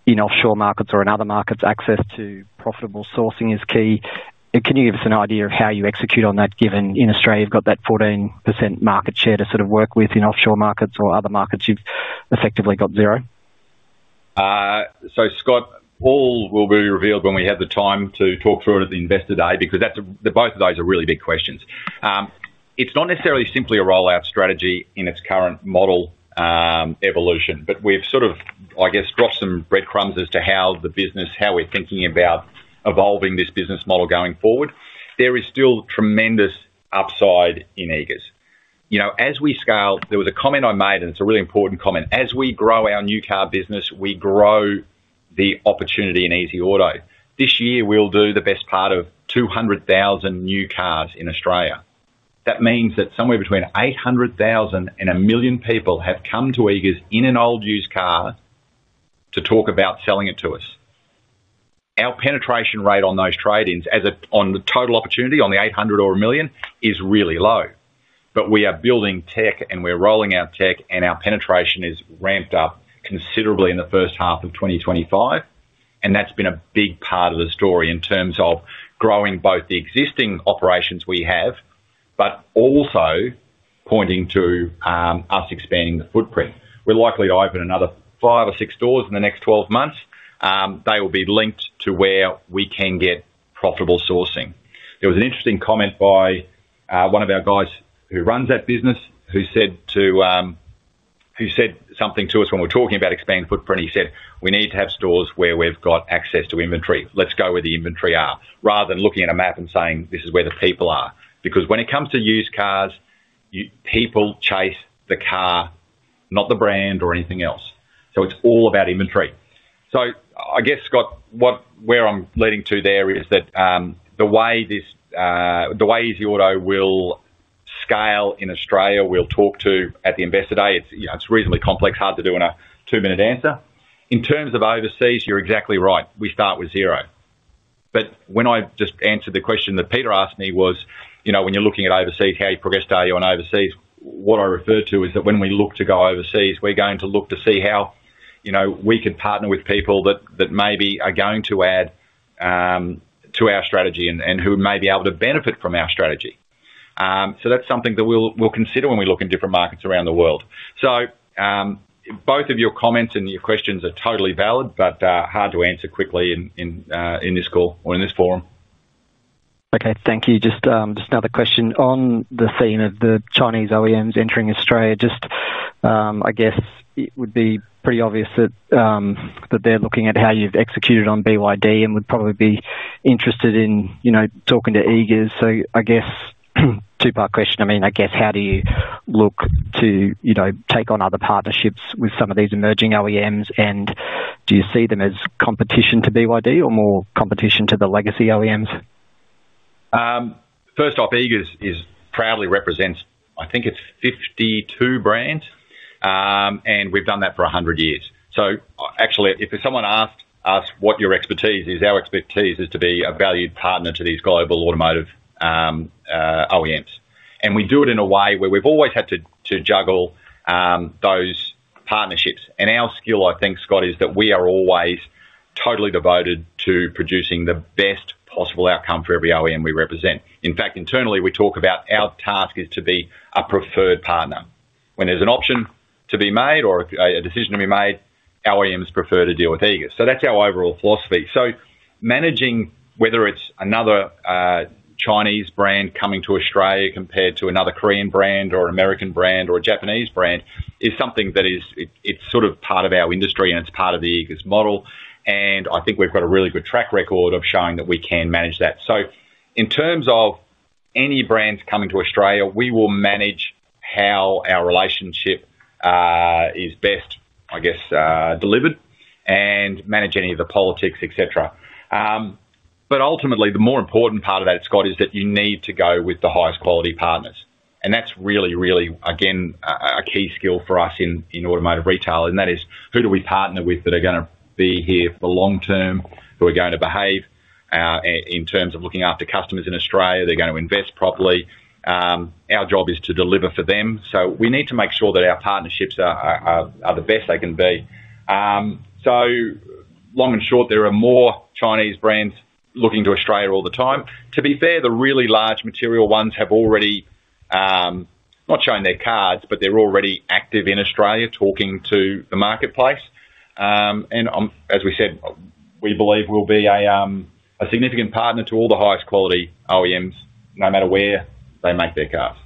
in offshore markets or in other markets, access to profitable sourcing is key. Can you give us an idea of how you execute on that? Given in Australia you've got that 14%. Market share to sort of work with. In offshore markets or other markets, you've effectively got zero. Scott, all will be revealed when we have the time to talk through it at the investor day because both of those are really big questions. It's not necessarily simply a rollout strategy in its current model evolution, but we've sort of dropped some breadcrumbs as to how the business, how we're thinking about evolving this business model going forward. There is still tremendous upside in Eagers Automotive, you know, as we scale. There was a comment I made and it's a really important comment. As we grow our new car business, we grow the opportunity in Easy Auto 123. This year we'll do the best part of 200,000 new cars in Australia. That means that somewhere between 800,000 and 1 million people have come to Eagers Automotive in an old used car to talk about selling it to us. Our penetration rate on those trade-ins on the total opportunity on the 800,000 or 1 million is really low. We are building tech and we're rolling out tech and our penetration is ramped up considerably in the first half of 2025. That's been a big part of the story in terms of growing both the existing operations we have but also pointing to us expanding the footprint. We're likely to open another five or six doors in the next 12 months. They will be linked to where we can get profitable sourcing. There was an interesting comment by one of our guys who runs that business who said something to us when we were talking about expanded footprint. He said we need to have stores where we've got access to inventory. Let's go where the inventory is rather than looking at a map and saying this is where the people are. When it comes to used cars, people chase the car, not the brand or anything else. It's all about inventory. Scott, where I'm leading to there is that the way Easy Auto 123 will scale in Australia we'll talk to at the investor day. It's reasonably complex, hard to do in a two minute answer. In terms of overseas, you're exactly right, we start with zero. When I just answered the question that Peter asked me, when you're looking at overseas, how you progressed, are you on overseas, what I refer to is that when we look to go overseas we're going to look to see how we could partner with people that maybe are going to add to our strategy and who may be able to benefit from our strategy. That's something that we'll consider when we look in different markets around the world. Both of your comments and your questions are totally valid but hard to answer quickly in this call or in this forum. Okay, thank you. Just another question on the scene of the Chinese OEMs entering Australia. I guess it would be pretty obvious that they're looking at how you've executed on BYD and would probably be interested in talking to Eagers Automotive. I guess two part question, I mean I guess how do you look to, you know, take on other partnerships with some of these emerging OEMs, and do you see them as competition to BYD or more competition to the legacy OEMs? First off, Eagers Automotive proudly represents, I think it's 52 brands and we've done that for 100 years. If someone asked us what your expertise is, our expertise is to be a valued partner to these global automotive OEMs and we do it in a way where we've always had to juggle those partnerships. Our skill, I think Scott, is that we are always totally devoted to producing the best possible outcome for every OEM we represent. In fact, internally we talk about our task as being a preferred partner when there's an option to be made or a decision to be made. OEMs prefer to do business with Eagers. That's our overall philosophy. Managing whether it's another Chinese brand coming to Australia compared to another Korean brand or an American brand or a Japanese brand is something that is sort of part of our industry and it's part of the Eagers Automotive model. I think we've got a really good track record of showing that we can manage that. In terms of any brands coming to Australia, we will manage how our relationship is best delivered and manage any of the politics, etc. Ultimately, the more important part of that, Scott, is that you need to go with the highest quality partners. That's really, really again, a key skill for us in automotive retail. That is, who do we partner with that are going to be here for the long term, who are going to behave in terms of looking after customers in Australia? They're going to invest properly. Our job is to deliver for them. We need to make sure that our partnerships are the best they can be. Long and short, there are more Chinese brands looking to Australia all the time. To be fair, the really large material ones have already not shown their cards, but they're already active in Australia talking to the marketplace. As we said, we believe we'll be a significant partner to all the highest quality OEMs, no matter where they make their cars.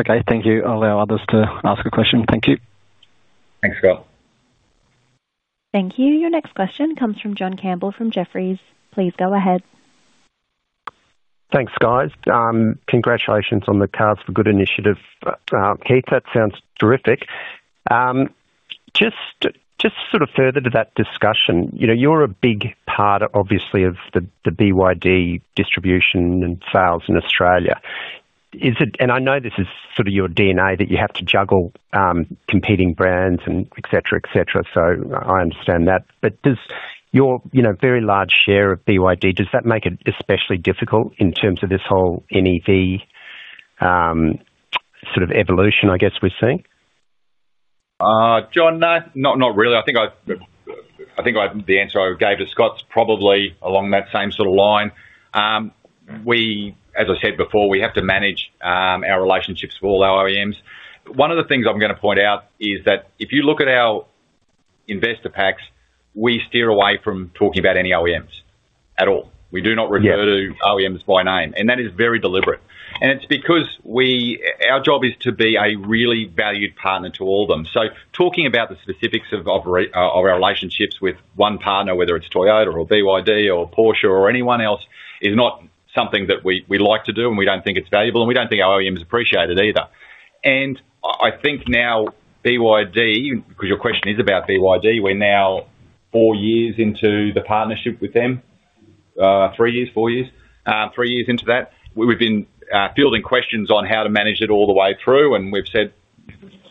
Okay, thank you. I'll allow others to ask a question. Thank you. Thanks, Scott. Thank you. Your next question comes from John Campbell from Jefferies. Please go ahead. Thanks, guys. Congratulations on the cards for good initiative, Keith. That sounds terrific. Just further to that discussion, you know, you're a big part obviously of the BYD distribution and sales in Australia. Is it? I know this is sort of your DNA that you have to juggle competing brands and etc. etc. I understand that. Does your very large share of BYD, does that make it especially difficult in terms of this whole plug-in (NEV) sort of evolution? I guess we're seeing. No, not really. I think the answer I gave to Scott's probably along that same sort of line. As I said before, we have to manage our relationships with all our OEMs. One of the things I'm going to point out is that if you look at our investor packs, we steer away from talking about any OEMs at all. We do not refer to OEMs by name. That is very deliberate, and it's because our job is to be a really valued partner to all of them. Talking about the specifics of our relationships with one partner, whether it's Toyota or BYD or Porsche or anyone else, is not something that we like to do. We don't think it's valuable and we don't think our OEMs appreciate it either. I think now, BYD, because your question is about BYD, we're now four years into the partnership with them. Three years. Four years. Three years into that. We've been fielding questions on how to manage it all the way through and we've said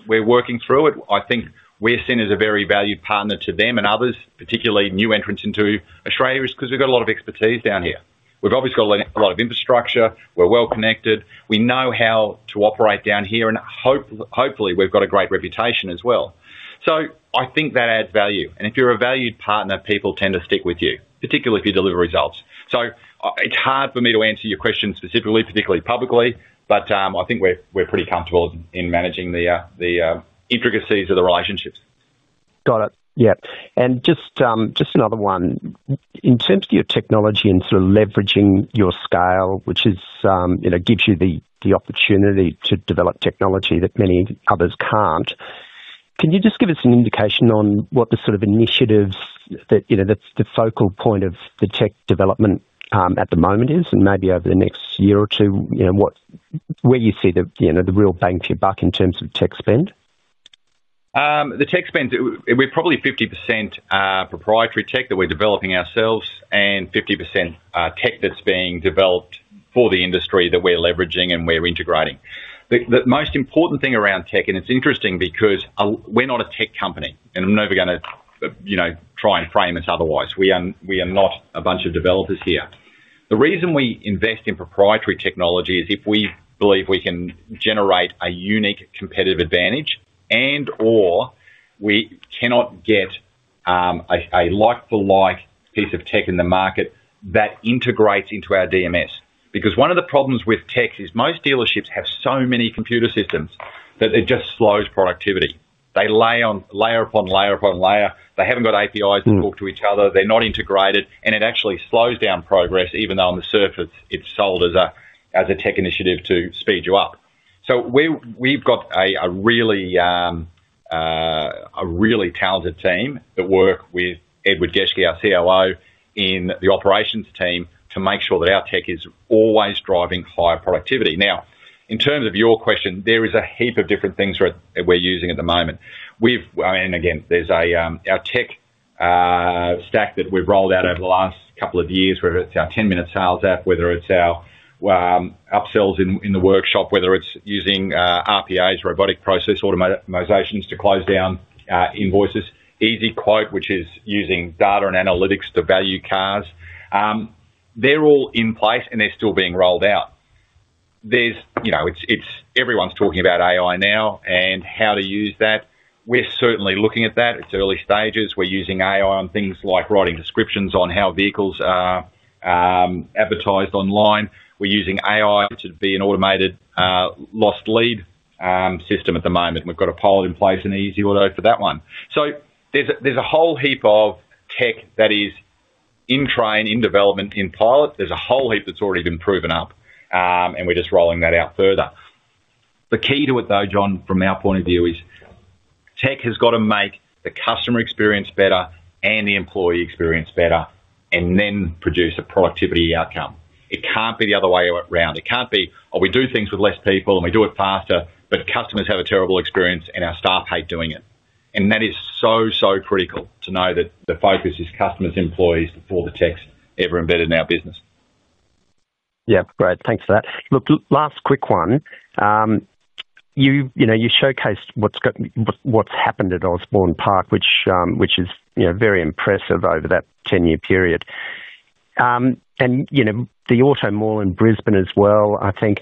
we're working through it. I think we're seen as a very valued partner to them and others, particularly new entrants into Australia, because we've got a lot of expertise down here, we've obviously got a lot of infrastructure, we're well connected, we know how to operate down here and hopefully we've got a great reputation as well. I think that adds value and if you're a valued partner, people tend to stick with you, particularly if you deliver results. It's hard for me to answer your question specifically, particularly publicly, but I think we're pretty comfortable in managing the intricacies of the relationships. Got it. Yep. In terms of your technology and sort of leveraging your scale, which is, you know, gives you the opportunity to develop technology that many others can't, can you just give us an indication on what the sort of initiatives that, you know, that's the focal point of the tech development at the moment is and maybe over the next year or two, where you see the, you know, the real bang for your buck. In terms of tech spend, the tech spend. We're probably 50% proprietary tech that we're developing ourselves and 50% tech that's being developed for the industry that we're leveraging and we're integrating. The most important thing around tech, and it's interesting because we're not a tech company and I'm never going to try and frame us otherwise. We are not a bunch of developers here. The reason we invest in proprietary technology is if we believe we can generate a unique competitive advantage or we cannot get a like-for-like piece of tech in the market that integrates into our DMS. One of the problems with tech is most dealerships have so many computer systems that it just slows productivity. They layer on layer upon layer. They haven't got APIs to talk to each other, they're not integrated, and it actually slows down progress, even though on the surface it's sold as a tech initiative to speed you up. We've got a really talented team that work with Edward Geschke, our COO, in the operations team to make sure that our tech is always driving higher productivity. Now in terms of your question, there is a heap of different things that we're using at the moment. There's our tech stack that we've rolled out over the last couple of years, whether it's our 10 minute sales app, whether it's our upsells in the workshop, whether it's using RPAs, Robotic Process Automatizations, to close down invoices, Easy Quote which is using data and analytics to value cars. They're all in place and they're still being rolled out. Everyone's talking about AI now and how to use that. We're certainly looking at that. It's early stages. We're using AI on things like writing descriptions on how vehicles are advertised online. We're using AI to be an automated lost lead system. At the moment we've got a pilot in place in Easy Auto 123 for that one. There's a whole heap of tech that is in train, in development, in pilot. There's a whole heap that's already been proven up and we're just rolling that out further. The key to it though, John, from our point of view is tech has got to make the customer experience better and the employee experience better and then produce a productivity outcome. It can't be the other way around. It can't be, oh, we do things with less people and we do it faster, but customers have a terrible experience and our staff hate doing it. That is so, so critical to know that the focus is customers, employees before the tech is ever embedded in our business. Yeah, great, thanks for that. Look, last quick one. You showcased what's happened at Osbourne Park, which is very impressive over that 10-year period, and the auto mall in Brisbane as well, I think.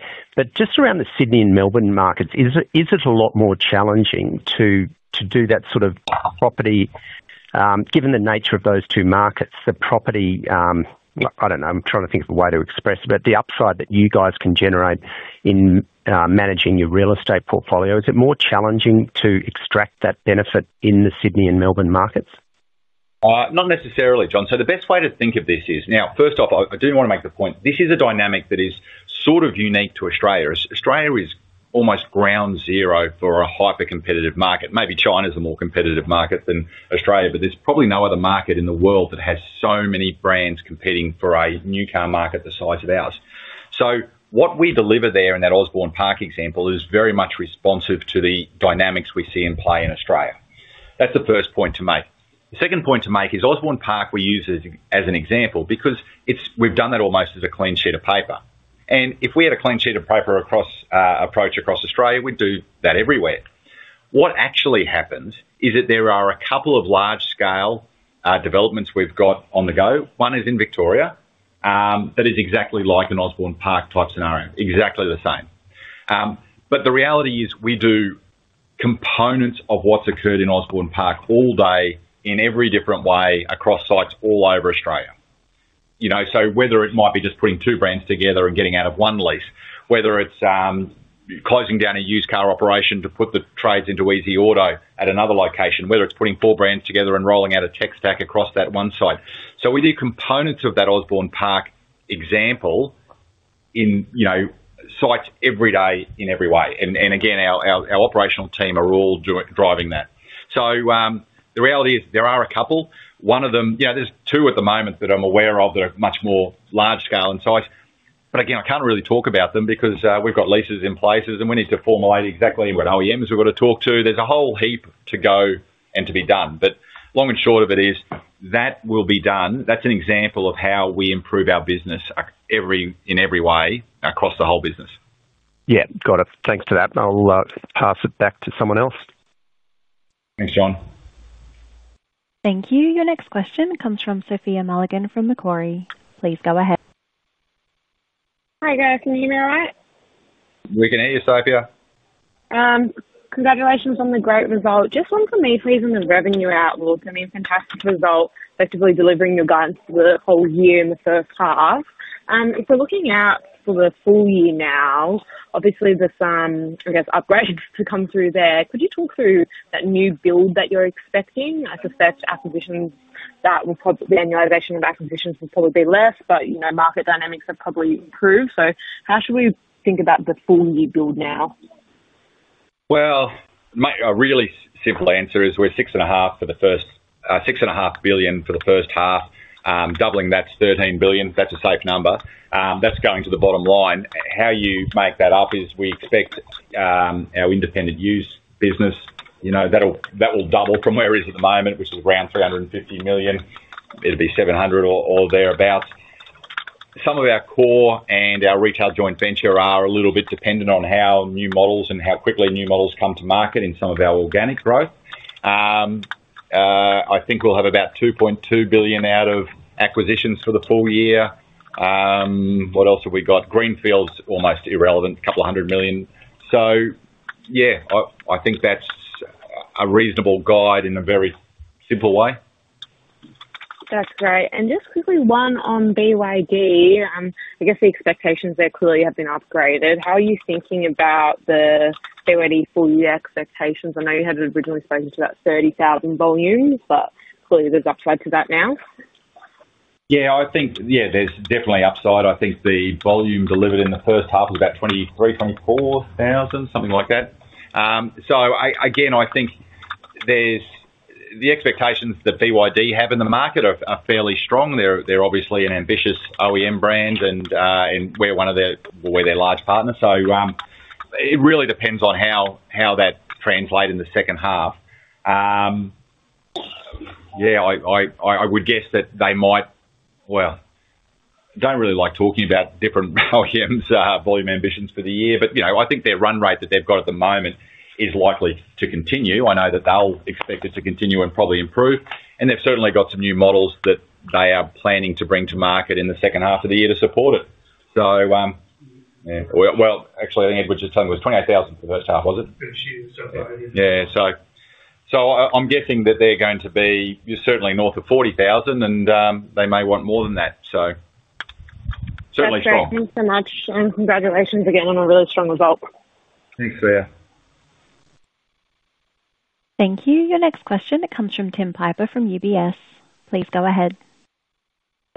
Just around the Sydney and Melbourne markets, is it a lot more challenging to do that sort of property given the nature of those two markets? The property, I don't know. I'm trying to think of a way to express it. The upside that you guys can generate in managing your real estate portfolio, is it more challenging to extract that benefit in the Sydney and Melbourne markets? Not necessarily, John. The best way to think of this is, first off, I do want to make the point this is a dynamic that is sort of unique to Australia. Australia is almost ground zero for a hyper competitive market. Maybe China is a more competitive market than Australia, but there's probably no other market in the world that has so many brands competing for a new car market the size of ours. What we deliver there in that Osborne Park example is very much responsive to the dynamics we see in play in Australia. That's the first point to make. The second point to make is Osborne Park we use as an example because we've done that almost as a clean sheet of paper, and if we had a clean sheet of paper approach across Australia, we'd do that everywhere. What actually happens is that there are a couple of large scale developments we've got on the go. One is in Victoria that is exactly like an Osborne Park type scenario, exactly the same. The reality is we do components of what's occurred in Osborne Park all day in every different way across sites all over Australia. Whether it might be just putting two brands together and getting out of one lease, whether it's closing down a used car operation to put the trades into Easy Auto 123 at another location, or putting four brands together and rolling out a tech stack across that one site, we do components of that Osborne Park example in sites every day in every way. Our operational team are all driving that. The reality is there are a couple. One of them, yeah, there's two at the moment that I'm aware of that are much more large scale in size. I can't really talk about them because we've got leases in places and we need to formulate exactly what OEMs we've got to talk to. There's a whole heap to go and to be done, but long and short of it is that will be done. That's an example of how we improve our business in every way across the whole business. Yeah, got it. Thanks for that. I'll pass it back to someone else. Thanks, John. Thank you. Your next question comes from Sophie and Morgan from Macquarie. Please go ahead. Hi guys, can you hear me? All right, we can hear you, Sophie. Congratulations on the great result. Just one for me, please. On the revenue outlook, I mean, fantastic result, effectively delivering your guidance for the whole year in the first half. If we're looking out for the full year now, obviously there's, I guess, upgrades to come through there. Could you talk through that new build that you're expecting? I suspect acquisitions that will probably, the annualization of acquisitions will probably be less, but you know, market dynamics have probably improved. How should we think about the full new build now? A really simple answer is we're $6.5 billion for the first half. Doubling, that's $13 billion. That's a safe number. That's going to the bottom line. How you make that up is we expect our independent used business, you know, that will double from where it is at the moment, which is around $350 million. It'll be $700 million or thereabouts. Some of our core and our retail joint venture are a little bit dependent on how new models and how quickly new models come to market. In some of our organic growth, I think we'll have about $2.2 billion out of acquisitions for the full year. What else have we got? Greenfields almost irrelevant, couple hundred million. I think that's a reasonable guide in a very simple way. That's great. Just quickly, one on BYD. I guess the expectations there clearly have been upgraded. How are you thinking about the BYD full year expectations? I know you had originally spoken to that 30,000 volumes, but clearly there's upside to that now. Yeah, I think, yeah, there's definitely upside. I think the volume delivered in the first half was about 23,000, 24,000, something like that. Again, I think the expectations that BYD have in the market are fairly strong. They're obviously an ambitious OEM brand and we're their large partner. It really depends on how that translates in the second half. I would guess that they might, well, don't really like talking about different volume ambitions for the year, but I think their run rate that they've got at the moment is likely to continue. I know that they'll expect it to continue and probably improve, and they've certainly got some new models that they are planning to bring to market in the second half of the year to support it. Actually, I think Edward was just saying it was 28,000 for the first half, was it? Yeah. I'm guessing that they're going to be certainly north of 40,000 and they may want more than that. Certainly strong. Thanks so much, and congratulations again on a really strong result. Thanks Sophie. Thank you. Your next question comes from Tim Piper from UBS. Please go ahead.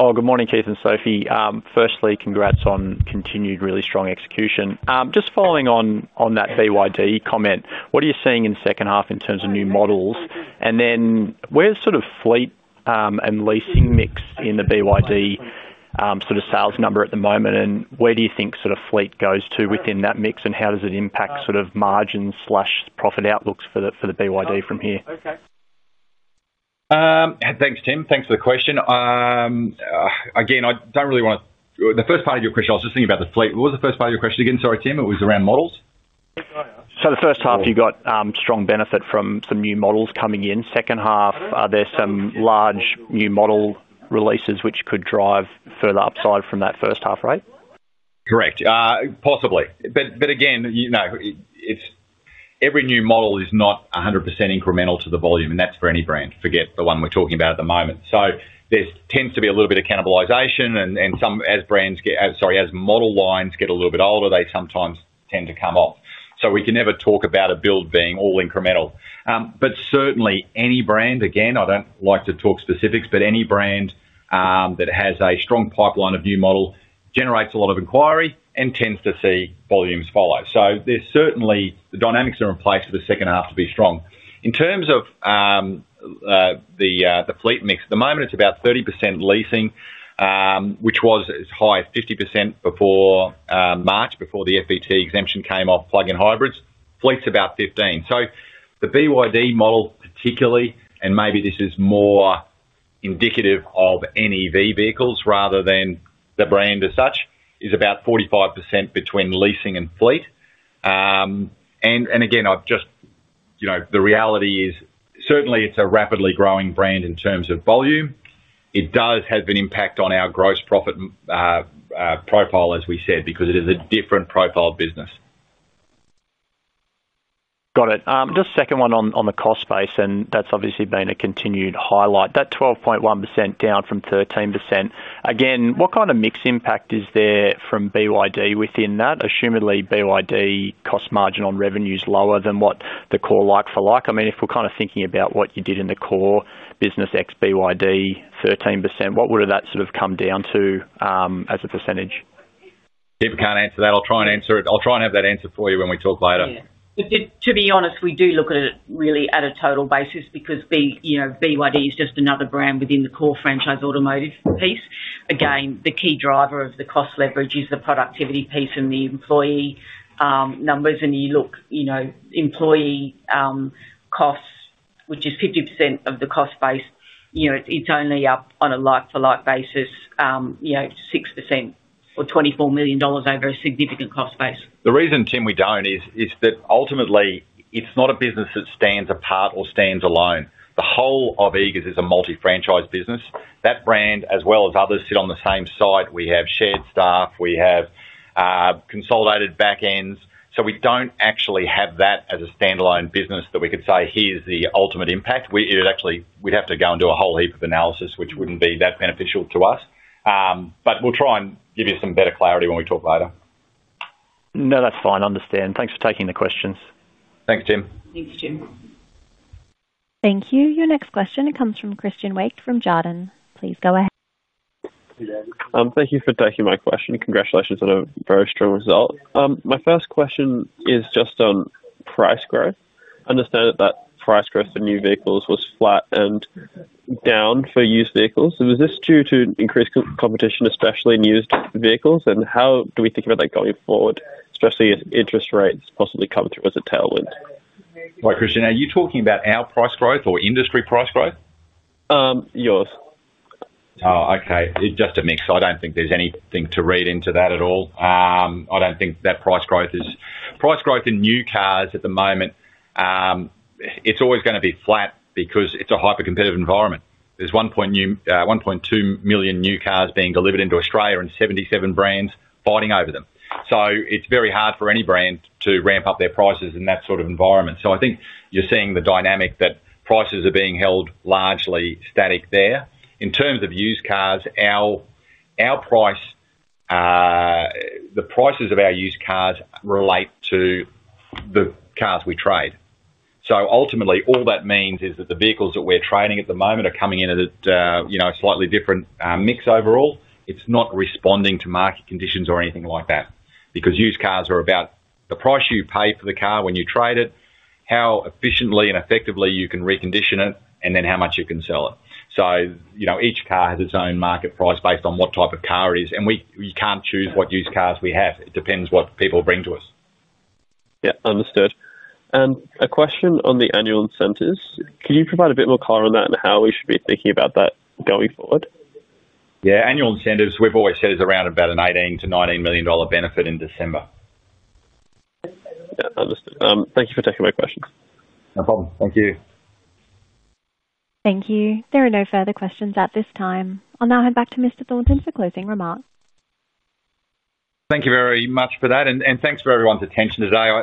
Oh, good morning Keith and Sophie. Firstly, congrats on continued really strong execution. Just following on that BYD comment, what are you seeing in second half in terms of new models, and then where's sort of fleet and leasing mix in the BYD sort of sales number at the moment, and where do you think sort of fleet goes to within that mix, and how does it impact sort of margin profit outlooks for the BYD from here. Thanks, Tim. Thanks for the question. I don't really want to the first part of your question, I was just thinking about the fleet. What was the first part of your question again? Sorry, Tim. It was around models. The first half you got strong. Benefit from some new models coming in. Second half, are there some large new model releases which could drive further upside? From that first half? Right, correct. Possibly. Every new model is not 100% incremental to the volume and that's for any brand, forget the one we're talking about at the moment. There tends to be a little bit of cannibalization and as model lines get a little bit older, they sometimes tend to come off. We can never talk about a build being all incremental. Certainly any brand, I don't like to talk specifics, but any brand that has a strong pipeline of new model generates a lot of inquiry and tends to see volumes follow. The dynamics are in place for the second half to be strong. In terms of the fleet mix at the moment, it's about 30% leasing, which was as high as 50% before March, before the FBT exemption came off. Plug-in hybrids fleet is about 15%. The BYD model particularly, and maybe this is more indicative of the plug-in (NEV) segment rather than the brand as such, is about 45% between leasing and fleet. The reality is certainly it's a rapidly growing brand in terms of volume. It does have an impact on our gross profit profile as we said, because it is a different profile business. Got it. Just second one on the cost base. That's obviously been a continued highlight. That 12.1% down from 13%. Again, what kind of mix impact is there from BYD within that? Assumedly BYD cost margin on revenue is lower than what the core like for like. I mean if we're kind of thinking about what you did in the core business x BYD 13%. What would that sort of come down. As a percentage, people can't answer that. I'll try and answer it. I'll try and have that answer for you when we talk later. To be honest, we do look at it really at a total basis because BYD is just another brand within the core franchise automotive piece. The key driver of the cost leverage is the productivity piece and the employee numbers. You look, employee costs, which is 50% of the cost base, it's only up on a like for like basis, 6% or $24 million over a significant cost base. The reason, Tim, we don't is that ultimately it's not a business that stands apart or stands alone. The whole of Eagers Automotive is a multi franchise business. That brand as well as others sit on the same side. We have shared staff, we have consolidated back ends. We don't actually have that as a standalone business that we could say here's the ultimate impact. We'd have to go and do a whole heap of analysis, which wouldn't be that beneficial to us. We'll try and give you some better clarity when we talk later. No, that's fine. I understand. Thanks for taking the questions. Thanks, Jim. Thanks Jim. Thank you. Your next question comes from Christian Waked from Jarden. Please go ahead. Thank you for taking my question. Congratulations on a very strong result. My first question is just on price growth. Understand that price growth for new vehicles was flat and down for used vehicles. Was this due to increased competition, especially in used vehicles, and how do we think about that going forward, especially as interest rates possibly come through as a tailwind? Christian, are you talking about our price growth or industry price growth? Yours. Okay, just a mix. I don't think there's anything to read into that at all. I don't think that price growth is price growth in new cars at the moment. It's always going to be flat because it's a hyper-competitive environment. There's 1.2 million new cars being delivered into Australia and 77 brands fighting over them. It's very hard for any brand to ramp up their prices in that sort of environment. I think you're seeing the dynamic that prices are being held largely static there. In terms of used cars, our price, the prices of our used cars relate to the cars we trade. Ultimately, all that means is that the vehicles that we're trading at the moment are coming in at a slightly different mix overall. It's not responding to market conditions or anything like that because used cars are about the price you pay for the car, when you trade it, how efficiently and effectively you can recondition it, and then how much you can sell it. Each car has its own market price based on what type of car it is, and we can't choose what used cars we have. It depends what people bring to us. Understood. A question on the annual incentives. Can you provide a bit more color on that and how we should be thinking about that going forward? Yeah, annual incentives, we've always said is around about an $18-$19 million benefit in December. Thank you for taking my questions. No problem. Thank you. Thank you. There are no further questions at this time. I'll now hand back to Mr. Thornton for closing remarks. Thank you very much for that, and thanks for everyone's attention today. I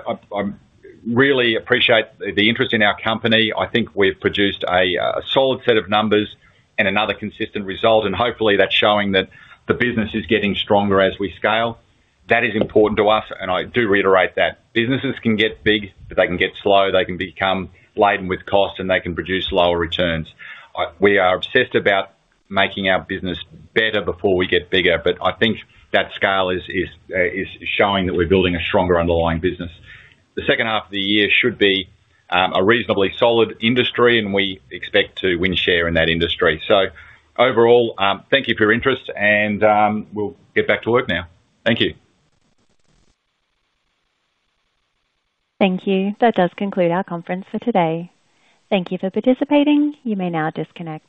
really appreciate the interest in our company. I think we've produced a solid set of numbers and another consistent result. Hopefully that's showing that the business is getting stronger as we scale. That is important to us. I do reiterate that businesses can get big, but they can get slow, they can become laden with cost, and they can produce lower returns. We are obsessed about making our business better before we get bigger, but I think that scale is showing that we're building a stronger underlying business. The second half of the year should be a reasonably solid industry, and we expect to win share in that industry. Overall, thank you for your interest, and we'll get back to work now. Thank you. Thank you. That does conclude our conference for today. Thank you for participating. You may now disconnect.